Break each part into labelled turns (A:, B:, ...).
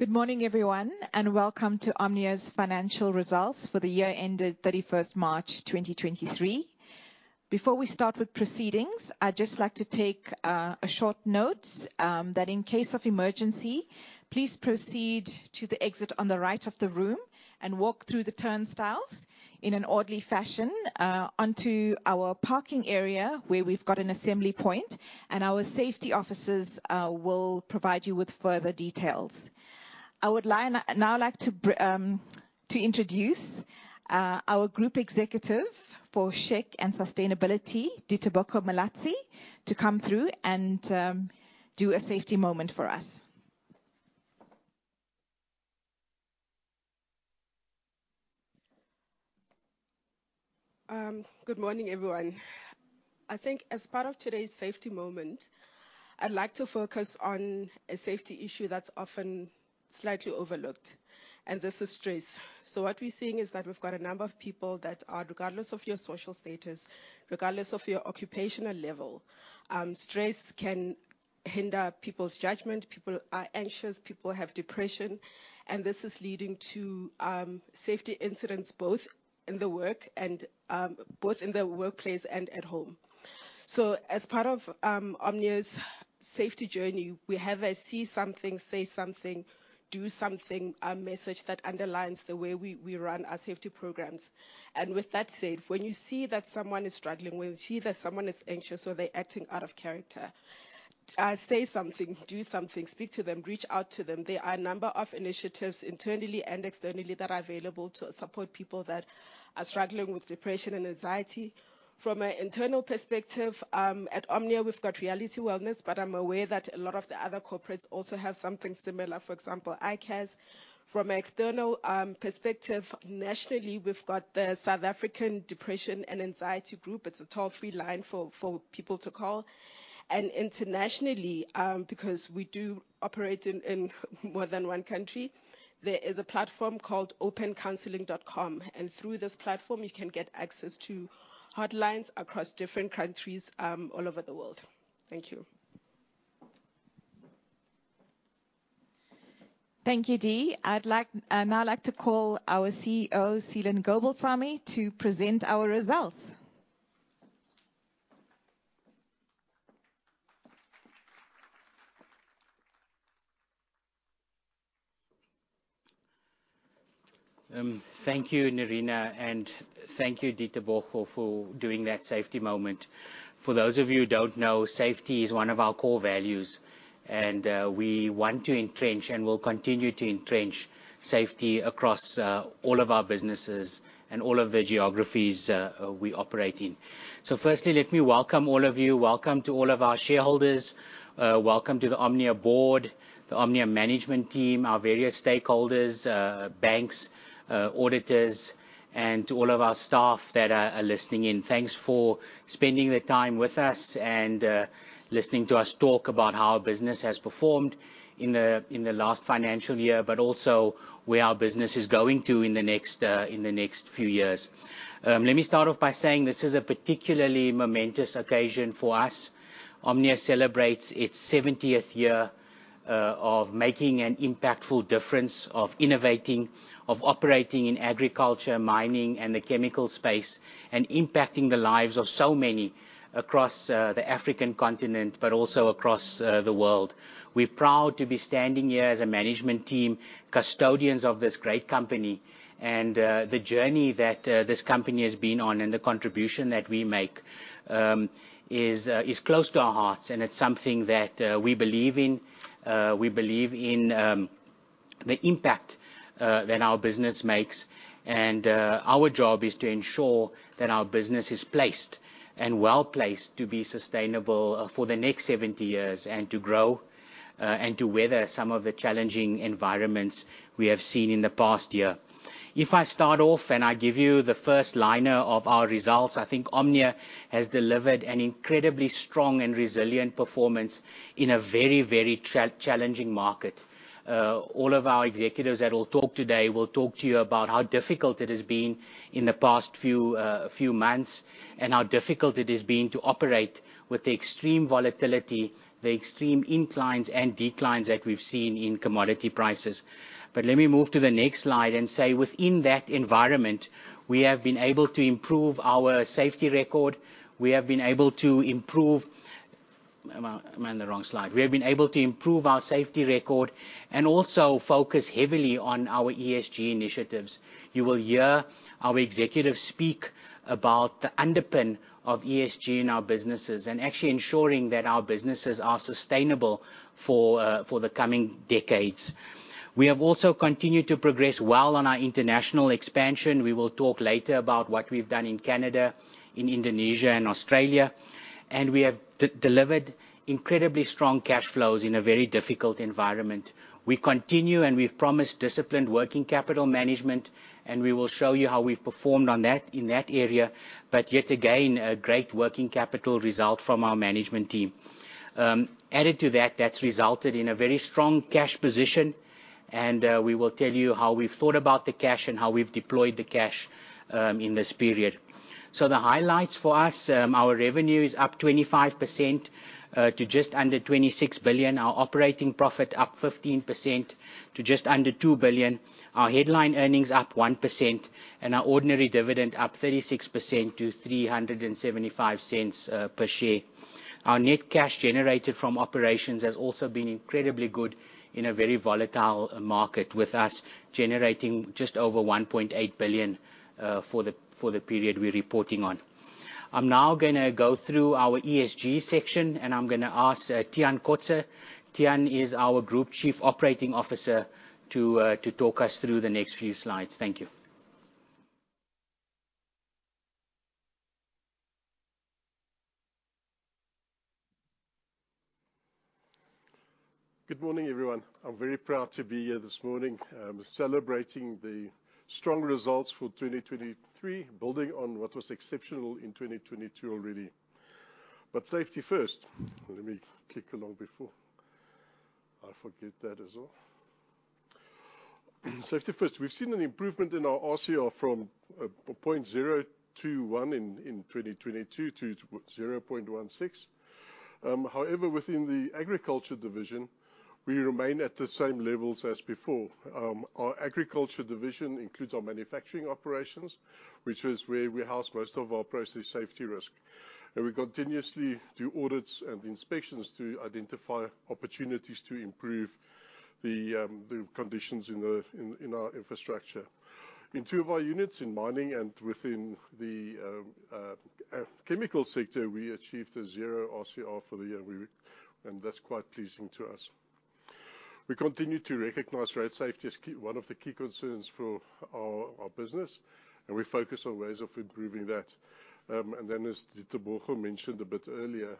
A: Good morning, everyone, welcome to Omnia's financial results for the year ended 31st March, 2023. Before we start with proceedings, I'd just like to take a short note that in case of emergency, please proceed to the exit on the right of the room and walk through the turnstiles in an orderly fashion onto our parking area, where we've got an assembly point, and our safety officers will provide you with further details. I would now like to introduce our Group Executive for SHEQ and Sustainability, Ditebogo Malatsi, to come through and do a safety moment for us.
B: Good morning, everyone. I think as part of today's safety moment, I'd like to focus on a safety issue that's often slightly overlooked, and this is stress. What we're seeing is that we've got a number of people that are, regardless of your social status, regardless of your occupational level, stress can hinder people's judgment. People are anxious, people have depression, and this is leading to safety incidents, both in the work and both in the workplace and at home. As part of Omnia's safety journey, we have a see something, say something, do something, message that underlines the way we run our safety programs. With that said, when you see that someone is struggling, when you see that someone is anxious, or they're acting out of character, say something, do something, speak to them, reach out to them. There are a number of initiatives, internally and externally, that are available to support people that are struggling with depression and anxiety. From an internal perspective, at Omnia, we've got Reality Wellness, but I'm aware that a lot of the other corporates also have something similar, for example, I-CARE. From an external perspective, nationally, we've got the South African Depression and Anxiety Group. It's a toll-free line for people to call. Internationally, because we do operate in more than one country, there is a platform called opencounseling.com, and through this platform, you can get access to hotlines across different countries all over the world. Thank you.
A: Thank you, D. I'd now like to call our CEO, Seelan Gobalsamy, to present our results.
C: Thank you, Nerina, and thank you, Ditebogo, for doing that safety moment. For those of you who don't know, safety is one of our core values, and we want to entrench, and we'll continue to entrench safety across all of our businesses and all of the geographies we operate in. Firstly, let me welcome all of you. Welcome to all of our shareholders. Welcome to the Omnia board, the Omnia management team, our various stakeholders, banks, auditors, and to all of our staff that are listening in. Thanks for spending the time with us and listening to us talk about how our business has performed in the last financial year, but also where our business is going to in the next few years. Let me start off by saying this is a particularly momentous occasion for us. Omnia celebrates its 70th year of making an impactful difference, of innovating, of operating in agriculture, mining, and the chemical space, and impacting the lives of so many across the African continent, but also across the world. We're proud to be standing here as a management team, custodians of this great company, and the journey that this company has been on and the contribution that we make is close to our hearts, and it's something that we believe in. We believe in the impact that our business makes, and our job is to ensure that our business is placed and well-placed to be sustainable for the next 70 years and to grow, and to weather some of the challenging environments we have seen in the past year. If I start off, and I give you the first liner of our results, I think Omnia has delivered an incredibly strong and resilient performance in a very, very challenging market. All of our executives that will talk today will talk to you about how difficult it has been in the past few months, and how difficult it has been to operate with the extreme volatility, the extreme inclines and declines that we've seen in commodity prices. Let me move to the next slide and say: within that environment, we have been able to improve our safety record. Am I on the wrong slide? We have been able to improve our safety record and also focus heavily on our ESG initiatives. You will hear our executives speak about the underpin of ESG in our businesses and actually ensuring that our businesses are sustainable for the coming decades. We have also continued to progress well on our international expansion. We will talk later about what we've done in Canada, in Indonesia, and Australia, and we have delivered incredibly strong cash flows in a very difficult environment. We continue, we've promised disciplined working capital management, we will show you how we've performed on that, in that area, yet again, a great working capital result from our management team. Added to that's resulted in a very strong cash position, we will tell you how we've thought about the cash and how we've deployed the cash in this period. The highlights for us, our revenue is up 25% to just under 26 billion. Our operating profit up 15% to just under 2 billion. Our headline earnings up 1%, our ordinary dividend up 36% to 3.75 per share. Our net cash generated from operations has also been incredibly good in a very volatile market, with us generating just over 1.8 billion for the period we're reporting on. I'm now gonna go through our ESG section, and I'm gonna ask Tiaan Kotze. Tiaan is our Group Chief Operating Officer, to talk us through the next few slides. Thank you.
D: Good morning, everyone. I'm very proud to be here this morning, celebrating the strong results for 2023, building on what was exceptional in 2022 already. Safety first. Let me click along before I forget that as well. Safety first. We've seen an improvement in our RCR from 0.021 in 2022 to 0.16. However, within the agriculture division, we remain at the same levels as before. Our agriculture division includes our manufacturing operations, which is where we house most of our process safety risk. We continuously do audits and inspections to identify opportunities to improve the conditions in our infrastructure. In two of our units, in mining and within the chemical sector, we achieved a 0 RCR for the year. That's quite pleasing to us. We continue to recognize road safety as key. One of the key concerns for our business, we focus on ways of improving that. As Ditebogo mentioned a bit earlier,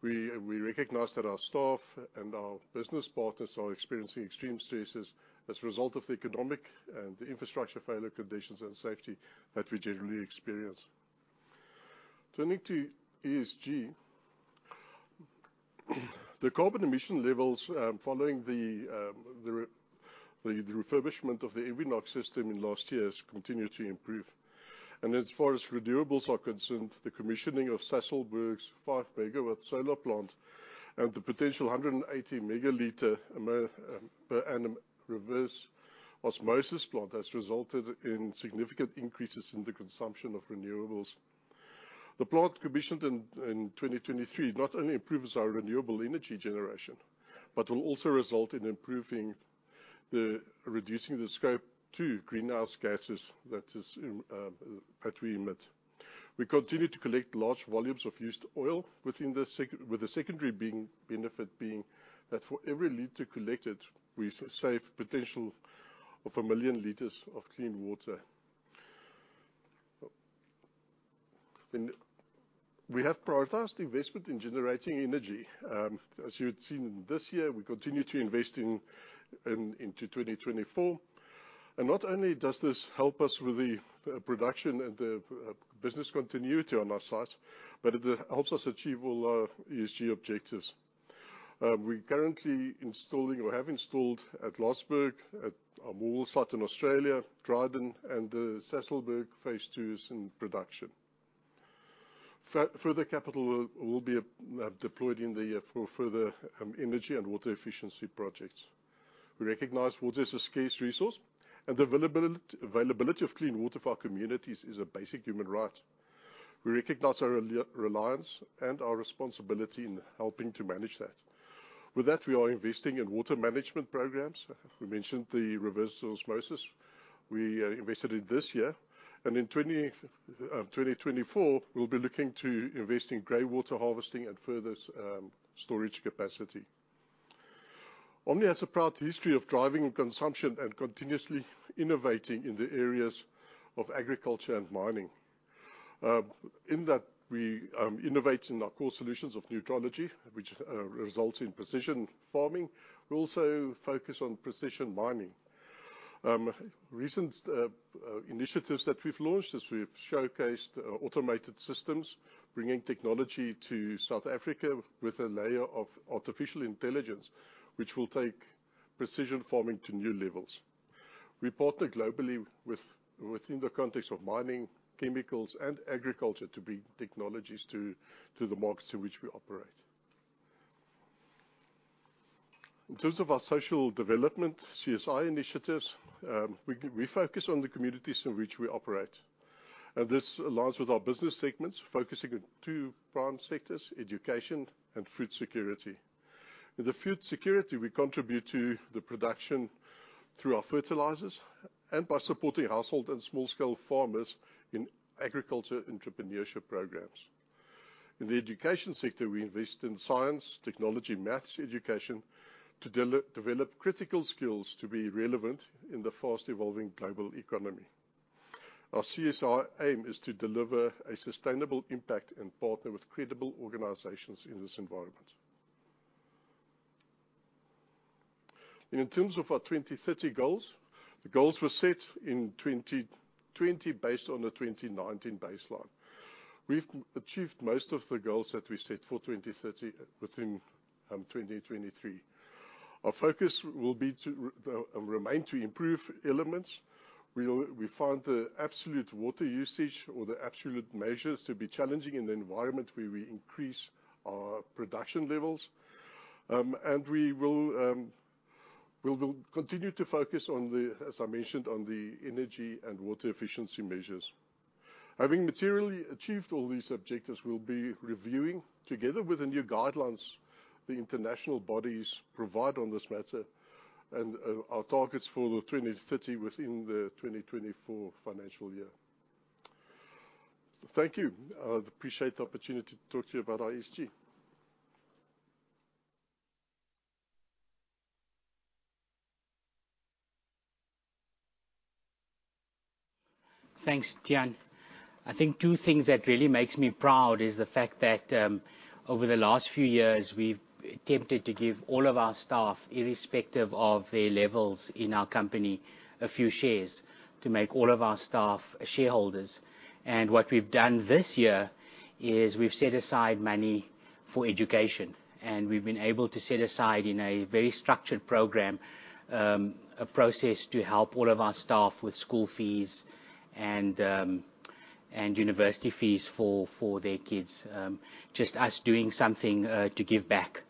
D: we recognize that our staff and our business partners are experiencing extreme stresses as a result of the economic and the infrastructure failure conditions and safety that we generally experience. Turning to ESG, the carbon emission levels, following the refurbishment of the AXXIS system in last year's continue to improve. As far as renewables are concerned, the commissioning of Sasolburg's 5 MW solar plant and the potential 180 ML per annum reverse osmosis plant has resulted in significant increases in the consumption of renewables. The plant commissioned in 2023 not only improves our renewable energy generation, but will also result in reducing the Scope 2 greenhouse gases that is that we emit. We continue to collect large volumes of used oil with the secondary benefit being that for every liter collected, we save potential of 1 million L of clean water. We have prioritized investment in generating energy. As you had seen this year, we continue to invest into 2024. Not only does this help us with the production and the business continuity on our sites, but it helps us achieve all our ESG objectives. We're currently installing or have installed at Losberg, at Morwell site in Australia, Dryden, and Sasolburg phase II is in production. Further capital will be deployed in the year for further energy and water efficiency projects. We recognize water is a scarce resource, and the availability of clean water for our communities is a basic human right. We recognize our reliance and our responsibility in helping to manage that. With that, we are investing in water management programs. We mentioned the reverse osmosis we invested in this year, and in 2024, we'll be looking to invest in gray water harvesting and furthest storage capacity. Omni has a proud history of driving consumption and continuously innovating in the areas of agriculture and mining. In that, we innovate in our core solutions of Nutriology, which results in precision farming. We also focus on precision mining. Recent initiatives that we've launched is we've showcased automated systems, bringing technology to South Africa with a layer of artificial intelligence, which will take precision farming to new levels. We partner globally within the context of mining, chemicals, and agriculture, to bring technologies to the markets in which we operate. In terms of our social development, CSI initiatives, we focus on the communities in which we operate, and this aligns with our business segments, focusing on two prime sectors: education and food security. In the food security, we contribute to the production through our fertilizers and by supporting household and small-scale farmers in agriculture entrepreneurship programs. In the education sector, we invest in science, technology, math education to develop critical skills to be relevant in the fast-evolving global economy. Our CSI aim is to deliver a sustainable impact and partner with credible organizations in this environment. In terms of our 2030 goals, the goals were set in 2020, based on a 2019 baseline. We've achieved most of the goals that we set for 2030 within 2023. Our focus will be to remain to improve elements. We found the absolute water usage or the absolute measures to be challenging in the environment where we increase our production levels. We will continue to focus on the, as I mentioned, on the energy and water efficiency measures. Having materially achieved all these objectives, we'll be reviewing, together with the new guidelines the international bodies provide on this matter, our targets for the 2030, within the 2024 financial year. Thank you. I appreciate the opportunity to talk to you about our ESG.
C: Thanks, Tiaan. I think two things that really makes me proud is the fact that over the last few years, we've attempted to give all of our staff, irrespective of their levels in our company, a few shares to make all of our staff shareholders. What we've done this year is we've set aside money for education, and we've been able to set aside, in a very structured program, a process to help all of our staff with school fees and university fees for their kids. Just us doing something to give back.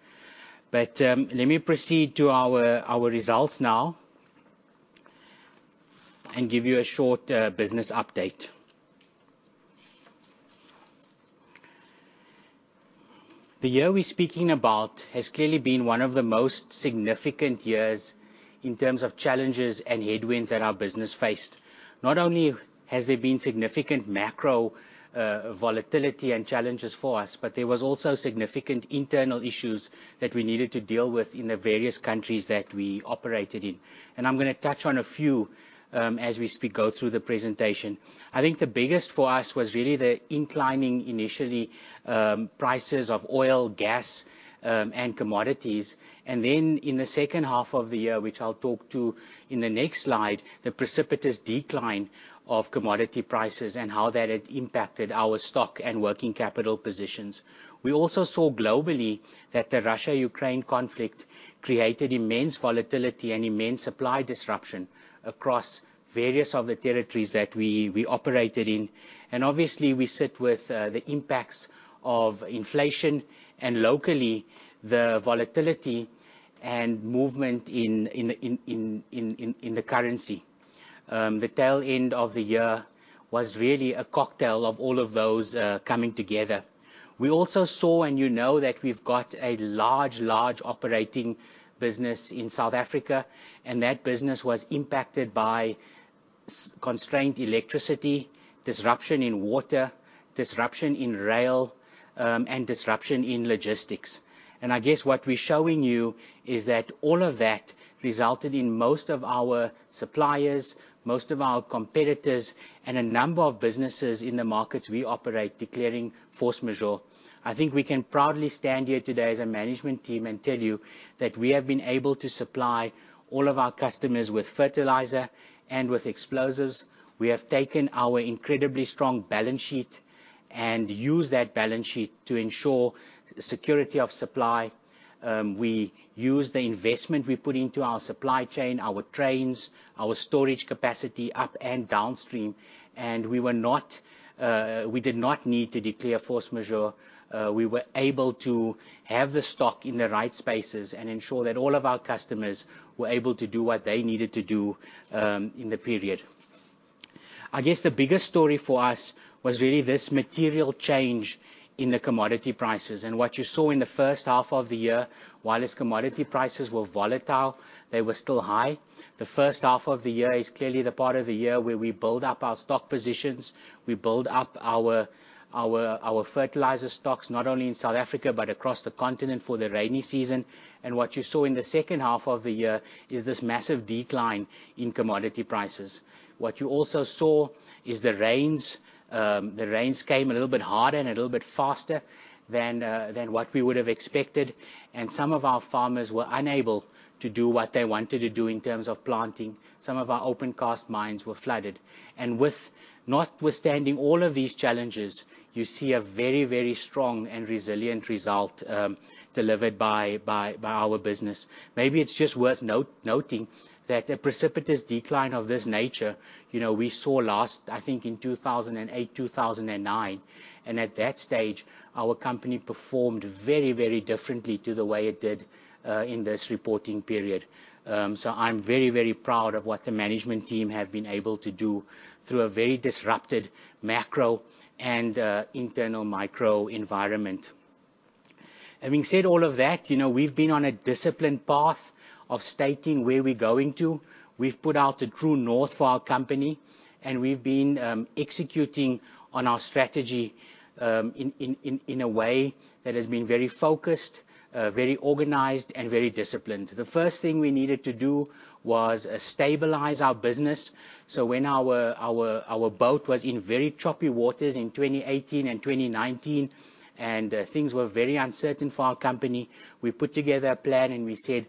C: Let me proceed to our results now and give you a short business update. The year we're speaking about has clearly been one of the most significant years in terms of challenges and headwinds that our business faced. Not only has there been significant macro volatility and challenges for us, but there was also significant internal issues that we needed to deal with in the various countries that we operated in. I'm gonna touch on a few as we go through the presentation. I think the biggest for us was really the inclining, initially, prices of oil, gas and commodities. Then, in the second half of the year, which I'll talk to in the next slide, the precipitous decline of commodity prices and how that had impacted our stock and working capital positions. We also saw globally that the Russia-Ukraine conflict created immense volatility and immense supply disruption across various of the territories that we operated in. Obviously, we sit with the impacts of inflation and, locally, the volatility and movement in the currency. The tail end of the year was really a cocktail of all of those coming together. We also saw, and you know that we've got a large operating business in South Africa, and that business was impacted by constrained electricity, disruption in water, disruption in rail, and disruption in logistics. I guess what we're showing you is that all of that resulted in most of our suppliers, most of our competitors, and a number of businesses in the markets we operate, declaring force majeure. I think we can proudly stand here today as a management team and tell you that we have been able to supply all of our customers with fertilizer and with explosives. We have taken our incredibly strong balance sheet and used that balance sheet to ensure security of supply. We used the investment we put into our supply chain, our trains, our storage capacity, up and downstream, and we were not. We did not need to declare force majeure. We were able to have the stock in the right spaces and ensure that all of our customers were able to do what they needed to do in the period. I guess the biggest story for us was really this material change in the commodity prices. What you saw in the first half of the year, while its commodity prices were volatile, they were still high. The first half of the year is clearly the part of the year where we build up our stock positions, we build up our fertilizer stocks, not only in South Africa, but across the continent for the rainy season. What you saw in the second half of the year is this massive decline in commodity prices. What you also saw is the rains. The rains came a little bit harder and a little bit faster than what we would have expected, and some of our farmers were unable to do what they wanted to do in terms of planting. Some of our open cast mines were flooded. Notwithstanding all of these challenges, you see a very strong and resilient result delivered by our business. Maybe it's just worth noting that a precipitous decline of this nature, you know, we saw last, I think, in 2008, 2009. At that stage, our company performed very, very differently to the way it did in this reporting period. I'm very, very proud of what the management team have been able to do through a very disrupted macro and internal micro environment. Having said all of that, you know, we've been on a disciplined path of stating where we're going to. We've put out a true north for our company, and we've been executing on our strategy in a way that has been very focused, very organized, and very disciplined. The first thing we needed to do was stabilize our business. When our boat was in very choppy waters in 2018 and 2019, and things were very uncertain for our company, we put together a plan, and we said,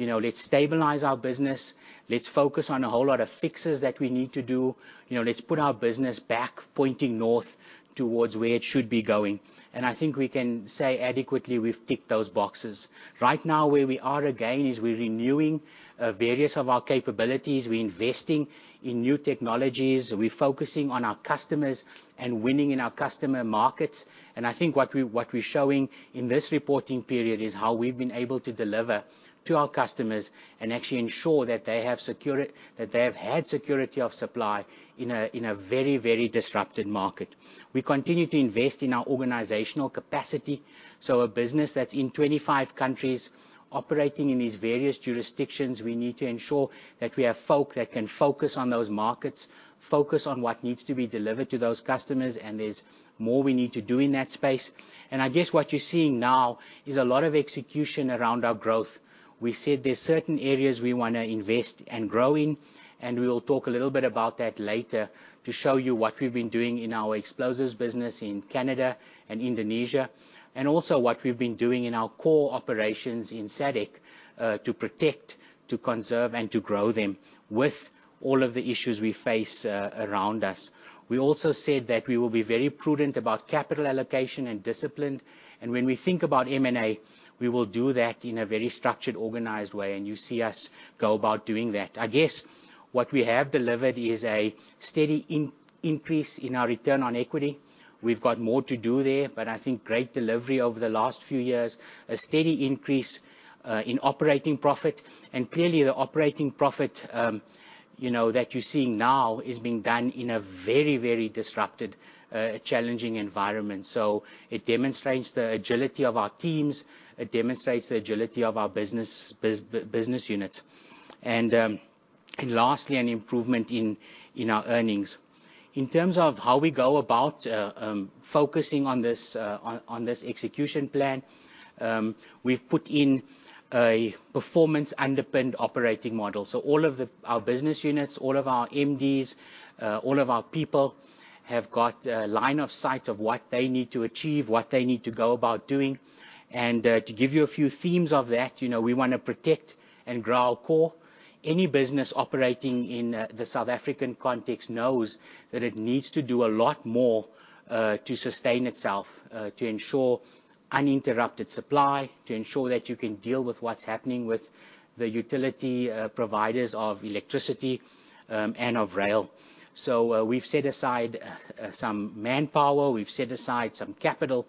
C: you know, let's stabilize our business. Let's focus on a whole lot of fixes that we need to do. You know, let's put our business back pointing north towards where it should be going. I think we can say adequately, we've ticked those boxes. Right now, where we are again, is we're renewing, various of our capabilities, we're investing in new technologies, we're focusing on our customers and winning in our customer markets. I think what we're showing in this reporting period is how we've been able to deliver to our customers and actually ensure that they have had security of supply in a very, very disrupted market. We continue to invest in our organizational capacity. A business that's in 25 countries, operating in these various jurisdictions, we need to ensure that we have folk that can focus on those markets, focus on what needs to be delivered to those customers, and there's more we need to do in that space. I guess what you're seeing now is a lot of execution around our growth. We said there's certain areas we want to invest and grow in, and we will talk a little bit about that later to show you what we've been doing in our explosives business in Canada and Indonesia, and also what we've been doing in our core operations in SADC, to protect, to conserve, and to grow them with all of the issues we face around us. We also said that we will be very prudent about capital allocation and disciplined, and when we think about M&A, we will do that in a very structured, organized way, and you see us go about doing that. I guess what we have delivered is a steady increase in our return on equity. We've got more to do there, but I think great delivery over the last few years, a steady increase in operating profit. Clearly, the operating profit, you know, that you're seeing now is being done in a very, very disrupted, challenging environment. It demonstrates the agility of our teams, it demonstrates the agility of our business units. Lastly, an improvement in our earnings. In terms of how we go about focusing on this execution plan, we've put in a performance-underpinned operating model. All of the... our business units, all of our MDs, all of our people, have got a line of sight of what they need to achieve, what they need to go about doing. To give you a few themes of that, you know, we wanna protect and grow our core. Any business operating in the South African context knows that it needs to do a lot more to sustain itself, to ensure uninterrupted supply, to ensure that you can deal with what is happening with the utility providers of electricity and of rail. We have set aside some manpower, we have set aside some capital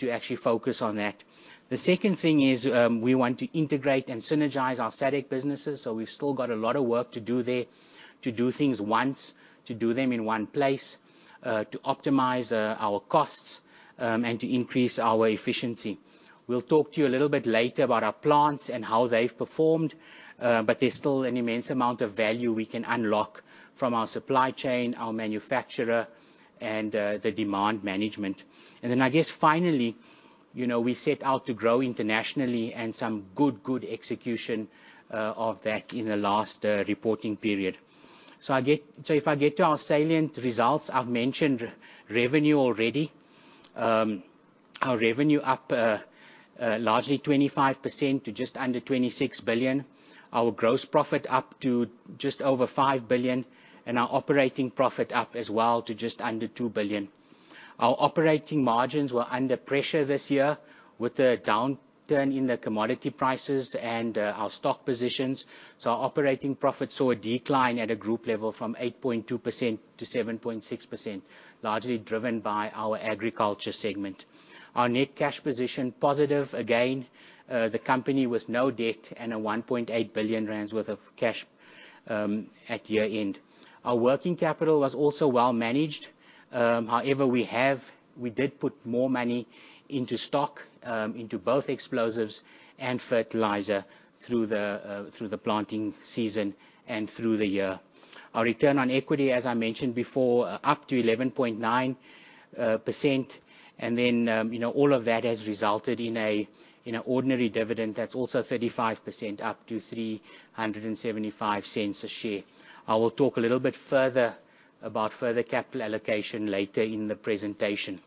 C: to actually focus on that. The second thing is, we want to integrate and synergize our SADC businesses. We have still got a lot of work to do there, to do things once, to do them in one place, to optimize our costs and to increase our efficiency. We'll talk to you a little bit later about our plants and how they've performed, but there's still an immense amount of value we can unlock from our supply chain, our manufacturer, and the demand management. I guess finally, you know, we set out to grow internationally and some good execution of that in the last reporting period. If I get to our salient results, I've mentioned revenue already. Our revenue up largely 25% to just under 26 billion. Our gross profit up to just over 5 billion, and our operating profit up as well to just under 2 billion. Our operating margins were under pressure this year with the downturn in the commodity prices and our stock positions. Our operating profit saw a decline at a group level from 8.2%-7.6%, largely driven by our agriculture segment. Our net cash position, positive again. The company with no debt and 1.8 billion rand worth of cash at year-end. Our working capital was also well managed. However, we did put more money into stock, into both explosives and fertilizer through the planting season and through the year. Our return on equity, as I mentioned before, up to 11.9%, and then, you know, all of that has resulted in an ordinary dividend that's also 35%, up to 3.75 a share. I will talk a little bit further about further capital allocation later in the presentation.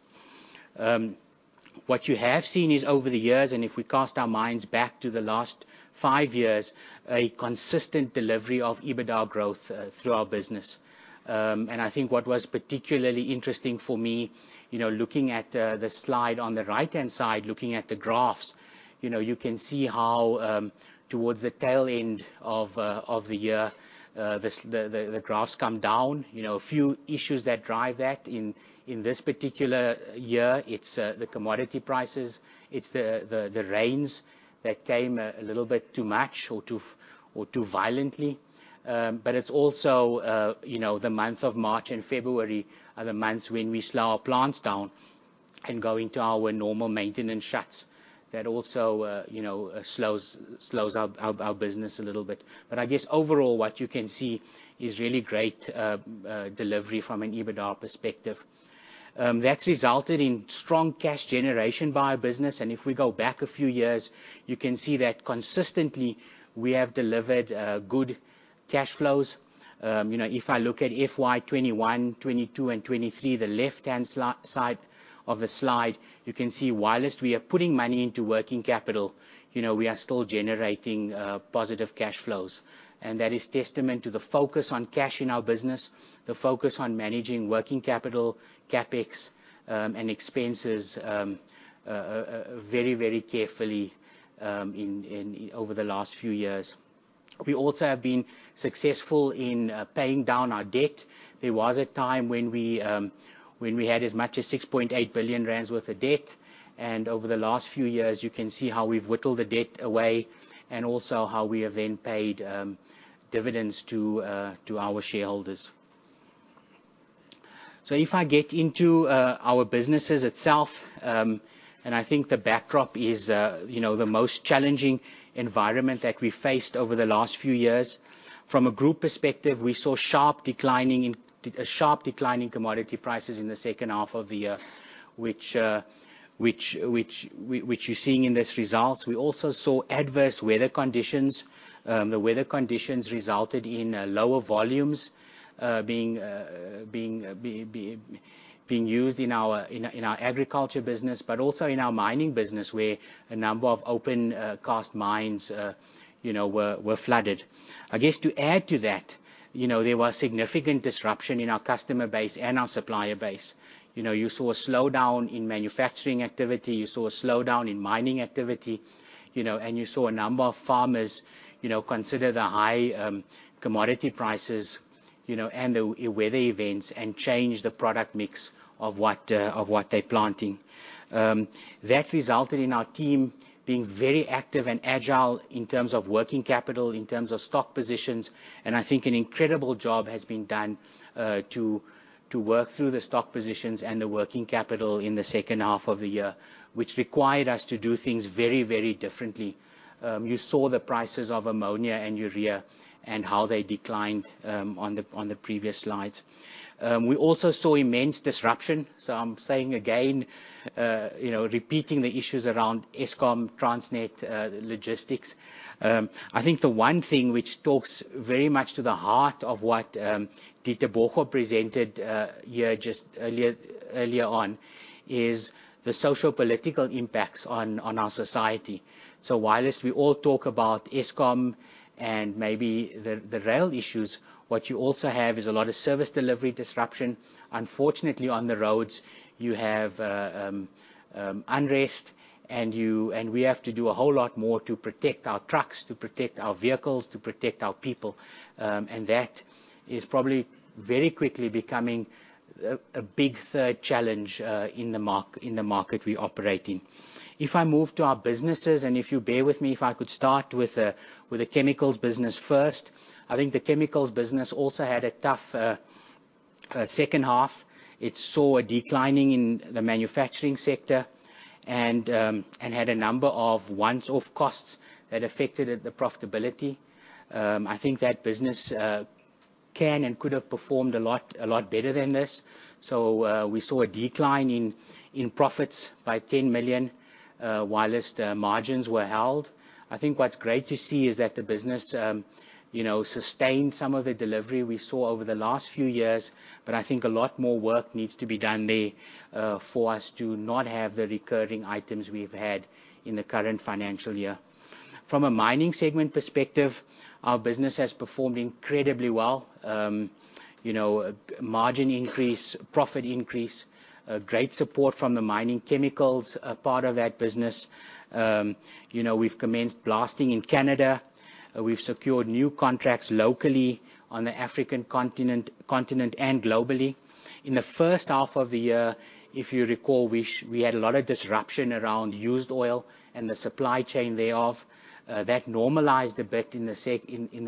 C: What you have seen is over the years, if we cast our minds back to the last five years, a consistent delivery of EBITDA growth through our business. I think what was particularly interesting for me, looking at the slide on the right-hand side, looking at the graphs, you can see how towards the tail end of the year, the graphs come down. A few issues that drive that in this particular year, it's the commodity prices, it's the rains that came a little bit too much or too violently. It's also the month of March and February are the months when we slow our plants down and go into our normal maintenance shuts. That also, you know, slows our business a little bit. But I guess overall, what you can see is really great delivery from an EBITDA perspective. That's resulted in strong cash generation by our business, and if we go back a few years, you can see that consistently, we have delivered good cash flows. You know, if I look at FY 2021, 2022 and 2023, the left-hand side of the slide, you can see whilst we are putting money into working capital, you know, we are still generating positive cash flows. That is testament to the focus on cash in our business, the focus on managing working capital, CapEx, and expenses very carefully in over the last few years. We also have been successful in paying down our debt. There was a time when we had as much as 6.8 billion rand worth of debt. Over the last few years, you can see how we've whittled the debt away and also how we have then paid dividends to our shareholders. If I get into our businesses itself, I think the backdrop is, you know, the most challenging environment that we've faced over the last few years. From a group perspective, we saw sharp declining in a sharp decline in commodity prices in the second half of the year, which you're seeing in these results. We also saw adverse weather conditions. The weather conditions resulted in lower volumes being used in our agriculture business, but also in our mining business, where a number of open cast mines, you know, were flooded. I guess, to add to that, you know, there was significant disruption in our customer base and our supplier base. You know, you saw a slowdown in manufacturing activity, you saw a slowdown in mining activity, you know, and you saw a number of farmers, you know, consider the high commodity prices, you know, and the weather events and change the product mix of what they're planting. That resulted in our team being very active and agile in terms of working capital, in terms of stock positions, I think an incredible job has been done to work through the stock positions and the working capital in the second half of the year, which required us to do things very, very differently. You saw the prices of ammonia and urea and how they declined on the previous slides. We also saw immense disruption, I'm saying again, you know, repeating the issues around Eskom, Transnet, logistics. I think the one thing which talks very much to the heart of what Dieter Vogel presented here just earlier on, is the sociopolitical impacts on our society. Whilst we all talk about Eskom and maybe the rail issues, what you also have is a lot of service delivery disruption. Unfortunately, on the roads, you have unrest. We have to do a whole lot more to protect our trucks, to protect our vehicles, to protect our people. That is probably very quickly becoming a big third challenge in the market we operate in. If I move to our businesses, if you bear with me, if I could start with the chemicals business first. I think the chemicals business also had a tough second half. It saw a declining in the manufacturing sector and had a number of once-off costs that affected the profitability. I think that business can and could have performed a lot better than this. We saw a decline in profits by 10 million whilst margins were held. I think what's great to see is that the business, you know, sustained some of the delivery we saw over the last few years, but I think a lot more work needs to be done there for us to not have the recurring items we've had in the current financial year. From a mining segment perspective, our business has performed incredibly well. You know, margin increase, profit increase, great support from the mining chemicals part of that business. You know, we've commenced blasting in Canada. We've secured new contracts locally on the African continent and globally. In the first half of the year, if you recall, we had a lot of disruption around used oil and the supply chain thereof. That normalized a bit in the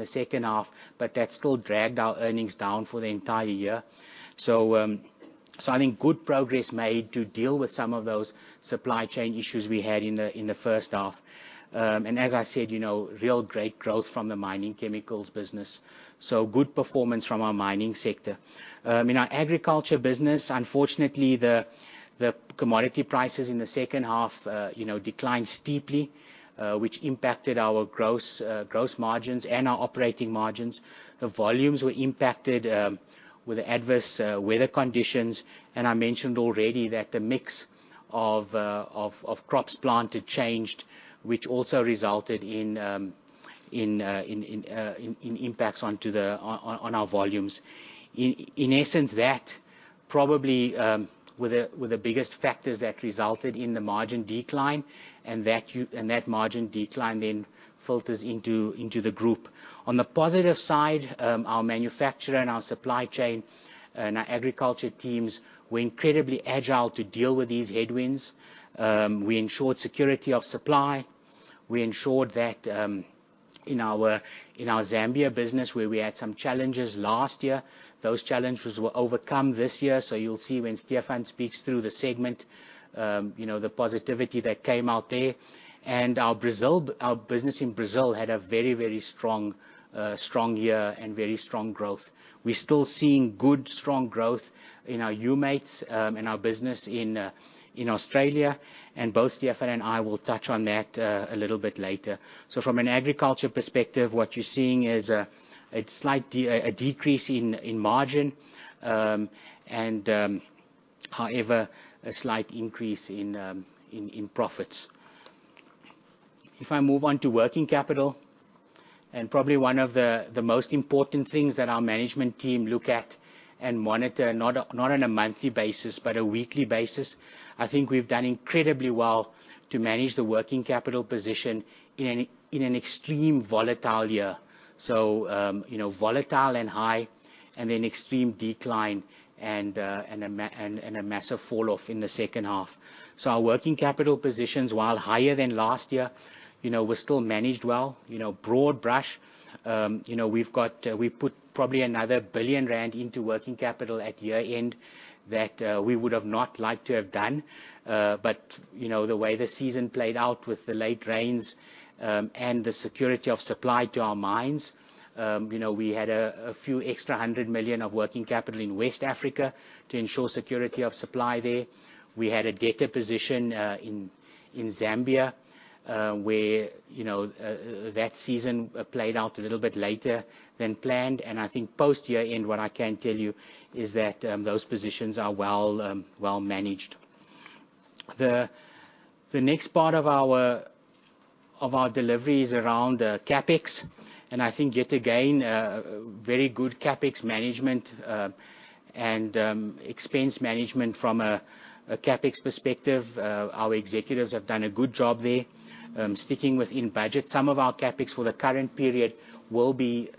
C: second half, but that still dragged our earnings down for the entire year. I think good progress made to deal with some of those supply chain issues we had in the first half. As I said, you know, real great growth from the mining chemicals business, so good performance from our mining sector. In our agriculture business, unfortunately, the commodity prices in the second half, you know, declined steeply, which impacted our gross margins and our operating margins. The volumes were impacted, with adverse weather conditions. I mentioned already that the mix of crops planted changed, which also resulted in impacts onto our volumes. In essence, that probably were the biggest factors that resulted in the margin decline, and that margin decline then filters into the group. On the positive side, our manufacture and our supply chain and our agriculture teams were incredibly agile to deal with these headwinds. We ensured security of supply. We ensured that, in our Zambia business, where we had some challenges last year, those challenges were overcome this year. You'll see when Stephan speaks through the segment, you know, the positivity that came out there. Our Brazil, our business in Brazil had a very, very strong year and very strong growth. We're still seeing good, strong growth in our Mates in our business in Australia, and both Stephan and I will touch on that a little bit later. From an agriculture perspective, what you're seeing is a slight decrease in margin, and however, a slight increase in profits. If I move on to working capital, and probably one of the most important things that our management team look at and monitor, not on a monthly basis, but a weekly basis, I think we've done incredibly well to manage the working capital position in an extreme volatile year. You know, volatile and high, and then extreme decline and a massive falloff in the second half. Our working capital positions, while higher than last year, you know, were still managed well. You know, broad brush, you know, we've got, we've put probably another 1 billion rand into working capital at year-end that, we would have not liked to have done. You know, the way the season played out with the late rains, and the security of supply to our mines, you know, we had a few extra 100 million of working capital in West Africa to ensure security of supply there. We had a debtor position, in Zambia, where, you know, that season played out a little bit later than planned. I think post year-end, what I can tell you is that, those positions are well, well managed. The next part of our delivery is around CapEx, and I think, yet again, very good CapEx management, and expense management from a CapEx perspective. Our executives have done a good job there, sticking within budget. Some of our CapEx for the current period will be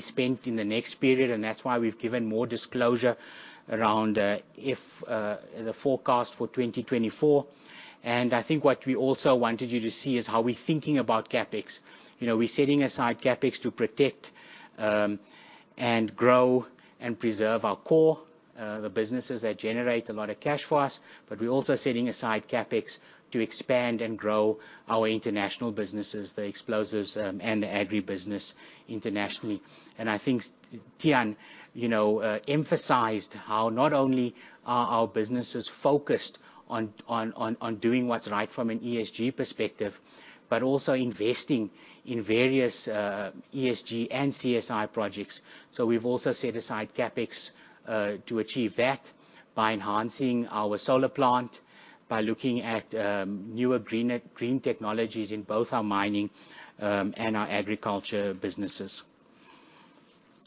C: spent in the next period, and that's why we've given more disclosure around if the forecast for 2024. I think what we also wanted you to see is how we're thinking about CapEx. You know, we're setting aside CapEx to protect, and grow and preserve our core, the businesses that generate a lot of cash for us, but we're also setting aside CapEx to expand and grow our international businesses, the explosives, and the agribusiness internationally. I think Tiaan, you know, emphasized how not only are our businesses focused on doing what's right from an ESG perspective, but also investing in various ESG and CSI projects. We've also set aside CapEx to achieve that by enhancing our solar plant, by looking at newer green technologies in both our mining, and our agriculture businesses.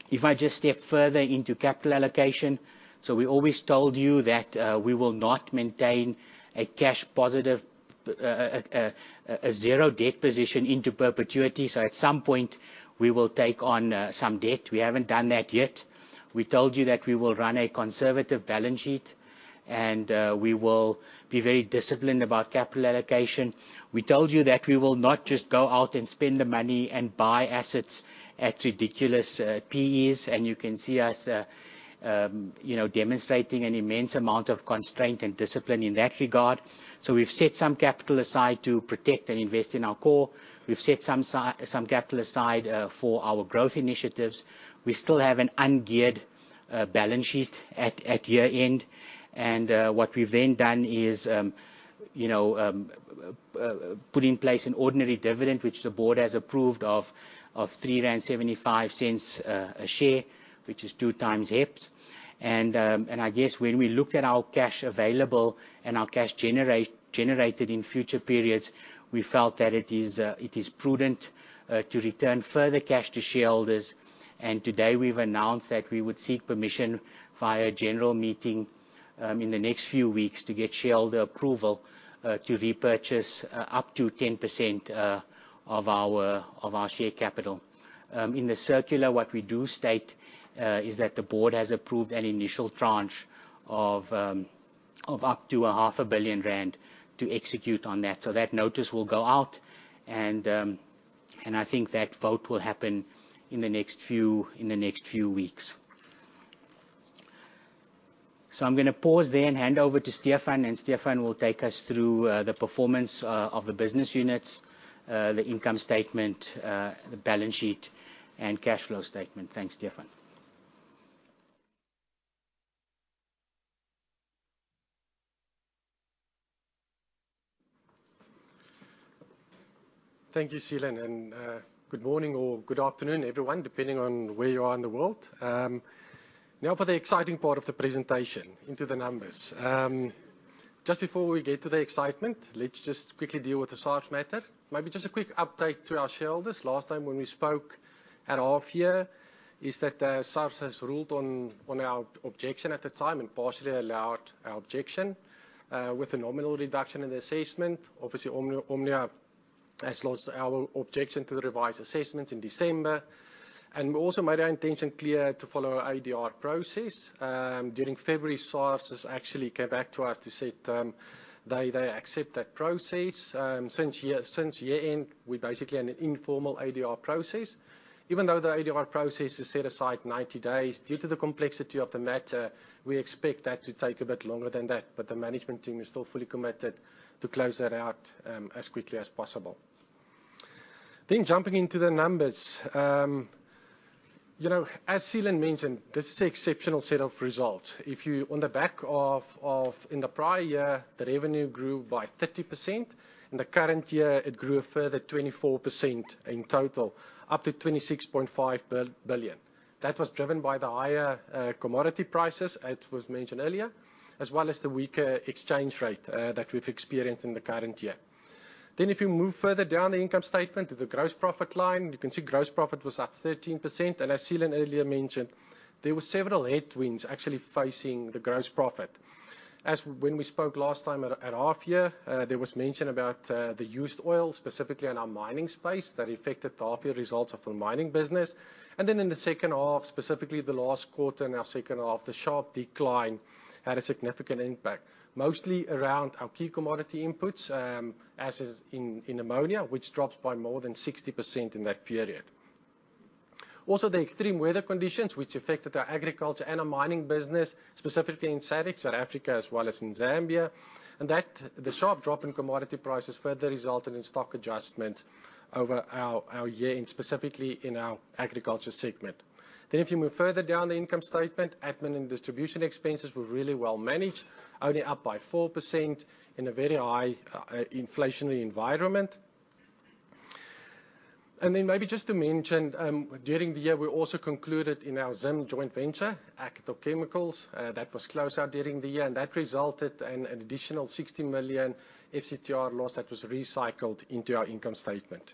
C: If I just step further into capital allocation. We always told you that we will not maintain a cash positive, a zero-debt position into perpetuity. At some point, we will take on some debt. We haven't done that yet. We told you that we will run a conservative balance sheet, and we will be very disciplined about capital allocation. We told you that we will not just go out and spend the money and buy assets at ridiculous PEs, and you can see us, you know, demonstrating an immense amount of constraint and discipline in that regard. We've set some capital aside to protect and invest in our core. We've set some capital aside for our growth initiatives. We still have an ungeared balance sheet at year-end. What we've then done is, you know, put in place an ordinary dividend, which the board has approved, of 3.75 a share, which is 2x EPS. I guess when we looked at our cash available and our cash generated in future periods, we felt that it is prudent to return further cash to shareholders. Today, we've announced that we would seek permission via general meeting in the next few weeks to get shareholder approval to repurchase up to 10% of our share capital. In the circular, what we do state is that the board has approved an initial tranche of up to half a billion ZAR to execute on that. That notice will go out, and I think that vote will happen in the next few weeks. I'm gonna pause there and hand over to Stephan, and Stephan will take us through the performance of the business units, the income statement, the balance sheet, and cash flow statement. Thanks, Stephan.
E: Thank you, Seelan. Good morning or good afternoon, everyone, depending on where you are in the world. Now for the exciting part of the presentation, into the numbers. Just before we get to the excitement, let's just quickly deal with the SARS matter. Maybe just a quick update to our shareholders. Last time when we spoke at half year, is that SARS has ruled on our objection at the time and partially allowed our objection with a nominal reduction in the assessment. Obviously, Omnia has lost our objection to the revised assessments in December. We also made our intention clear to follow our ADR process. During February, SARS has actually came back to us to say they accept that process. Since year-end, we're basically in an informal ADR process. Even though the ADR process has set aside 90 days, due to the complexity of the matter, we expect that to take a bit longer than that, but the management team is still fully committed to close that out as quickly as possible. Jumping into the numbers, you know, as Seelan mentioned, this is an exceptional set of results. In the prior year, the revenue grew by 30%. In the current year, it grew a further 24% in total, up to 26.5 billion. That was driven by the higher commodity prices, as was mentioned earlier, as well as the weaker exchange rate that we've experienced in the current year. If you move further down the income statement to the gross profit line, you can see gross profit was up 13%, and as Seelan earlier mentioned, there were several headwinds actually facing the gross profit. When we spoke last time at half year, there was mention about the used oil, specifically in our mining space, that affected the half-year results of our mining business. In the second half, specifically the last quarter, in our second half, the sharp decline had a significant impact, mostly around our key commodity inputs, as is in ammonia, which dropped by more than 60% in that period. The extreme weather conditions, which affected our agriculture and our mining business, specifically in SADC, South Africa, as well as in Zambia. The sharp drop in commodity prices further resulted in stock adjustments over our year, and specifically in our agriculture segment. If you move further down the income statement, admin and distribution expenses were really well managed, only up by 4% in a very high, inflationary environment. Maybe just to mention, during the year, we also concluded in our Zimbabwe joint venture, Acol Chemicals. That was closed out during the year, and that resulted in an additional 60 million FCTR loss that was recycled into our income statement.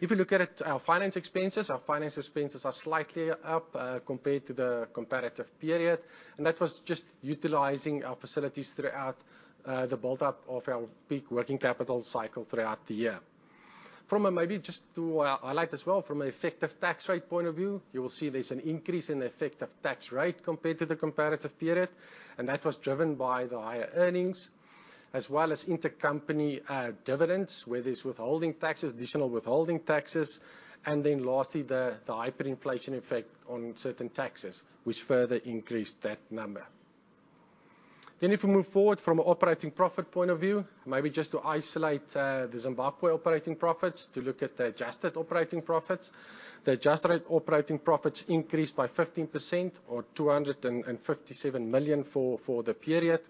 E: If you look at it, our finance expenses, our finance expenses are slightly up, compared to the comparative period, and that was just utilizing our facilities throughout the build-up of our peak working capital cycle throughout the year. Maybe just to highlight as well, from an effective tax rate point of view, you will see there's an increase in the effective tax rate compared to the comparative period, and that was driven by the higher earnings, as well as intercompany dividends, where there's withholding taxes, additional withholding taxes, and then lastly, the hyperinflation effect on certain taxes, which further increased that number. If we move forward from an operating profit point of view, maybe just to isolate the Zimbabwe operating profits, to look at the adjusted operating profits. The adjusted operating profits increased by 15% or 257 million for the period.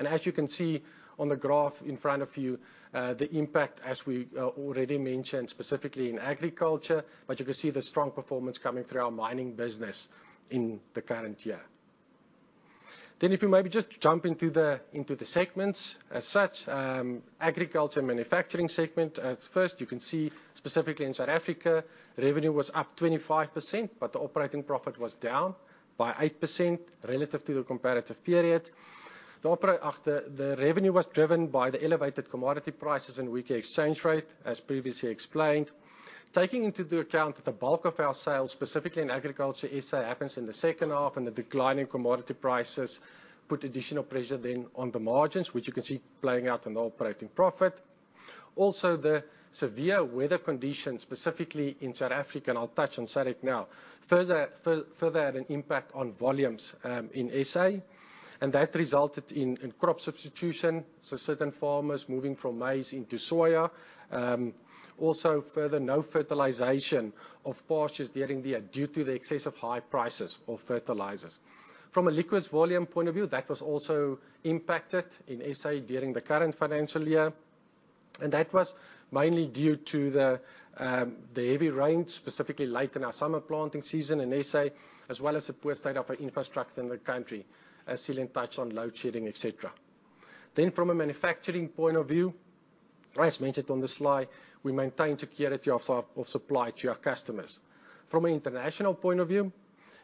E: As you can see on the graph in front of you, the impact, as we already mentioned, specifically in agriculture, but you can see the strong performance coming through our mining business in the current year. If you maybe just jump into the segments. As such, agriculture and manufacturing segment, first, you can see specifically in South Africa, revenue was up 25%, but the operating profit was down by 8% relative to the comparative period. The revenue was driven by the elevated commodity prices and weaker exchange rate, as previously explained. Taking into the account that the bulk of our sales, specifically in agriculture SA, happens in the second half, and the decline in commodity prices put additional pressure then on the margins, which you can see playing out in the operating profit. The severe weather conditions, specifically in South Africa, and I'll touch on SADC now, further had an impact on volumes in SA, and that resulted in crop substitution, certain farmers moving from maize into soya, and further, no fertilization of pastures during the year due to the excessive high prices of fertilizers. From a liquids volume point of view, that was also impacted in SA during the current financial year. That was mainly due to the heavy rain, specifically late in our summer planting season in SA, as well as the poor state of our infrastructure in the country, as Seelan touched on load shedding, et cetera. From a manufacturing point of view, as mentioned on the slide, we maintained security of supply to our customers. From an international point of view,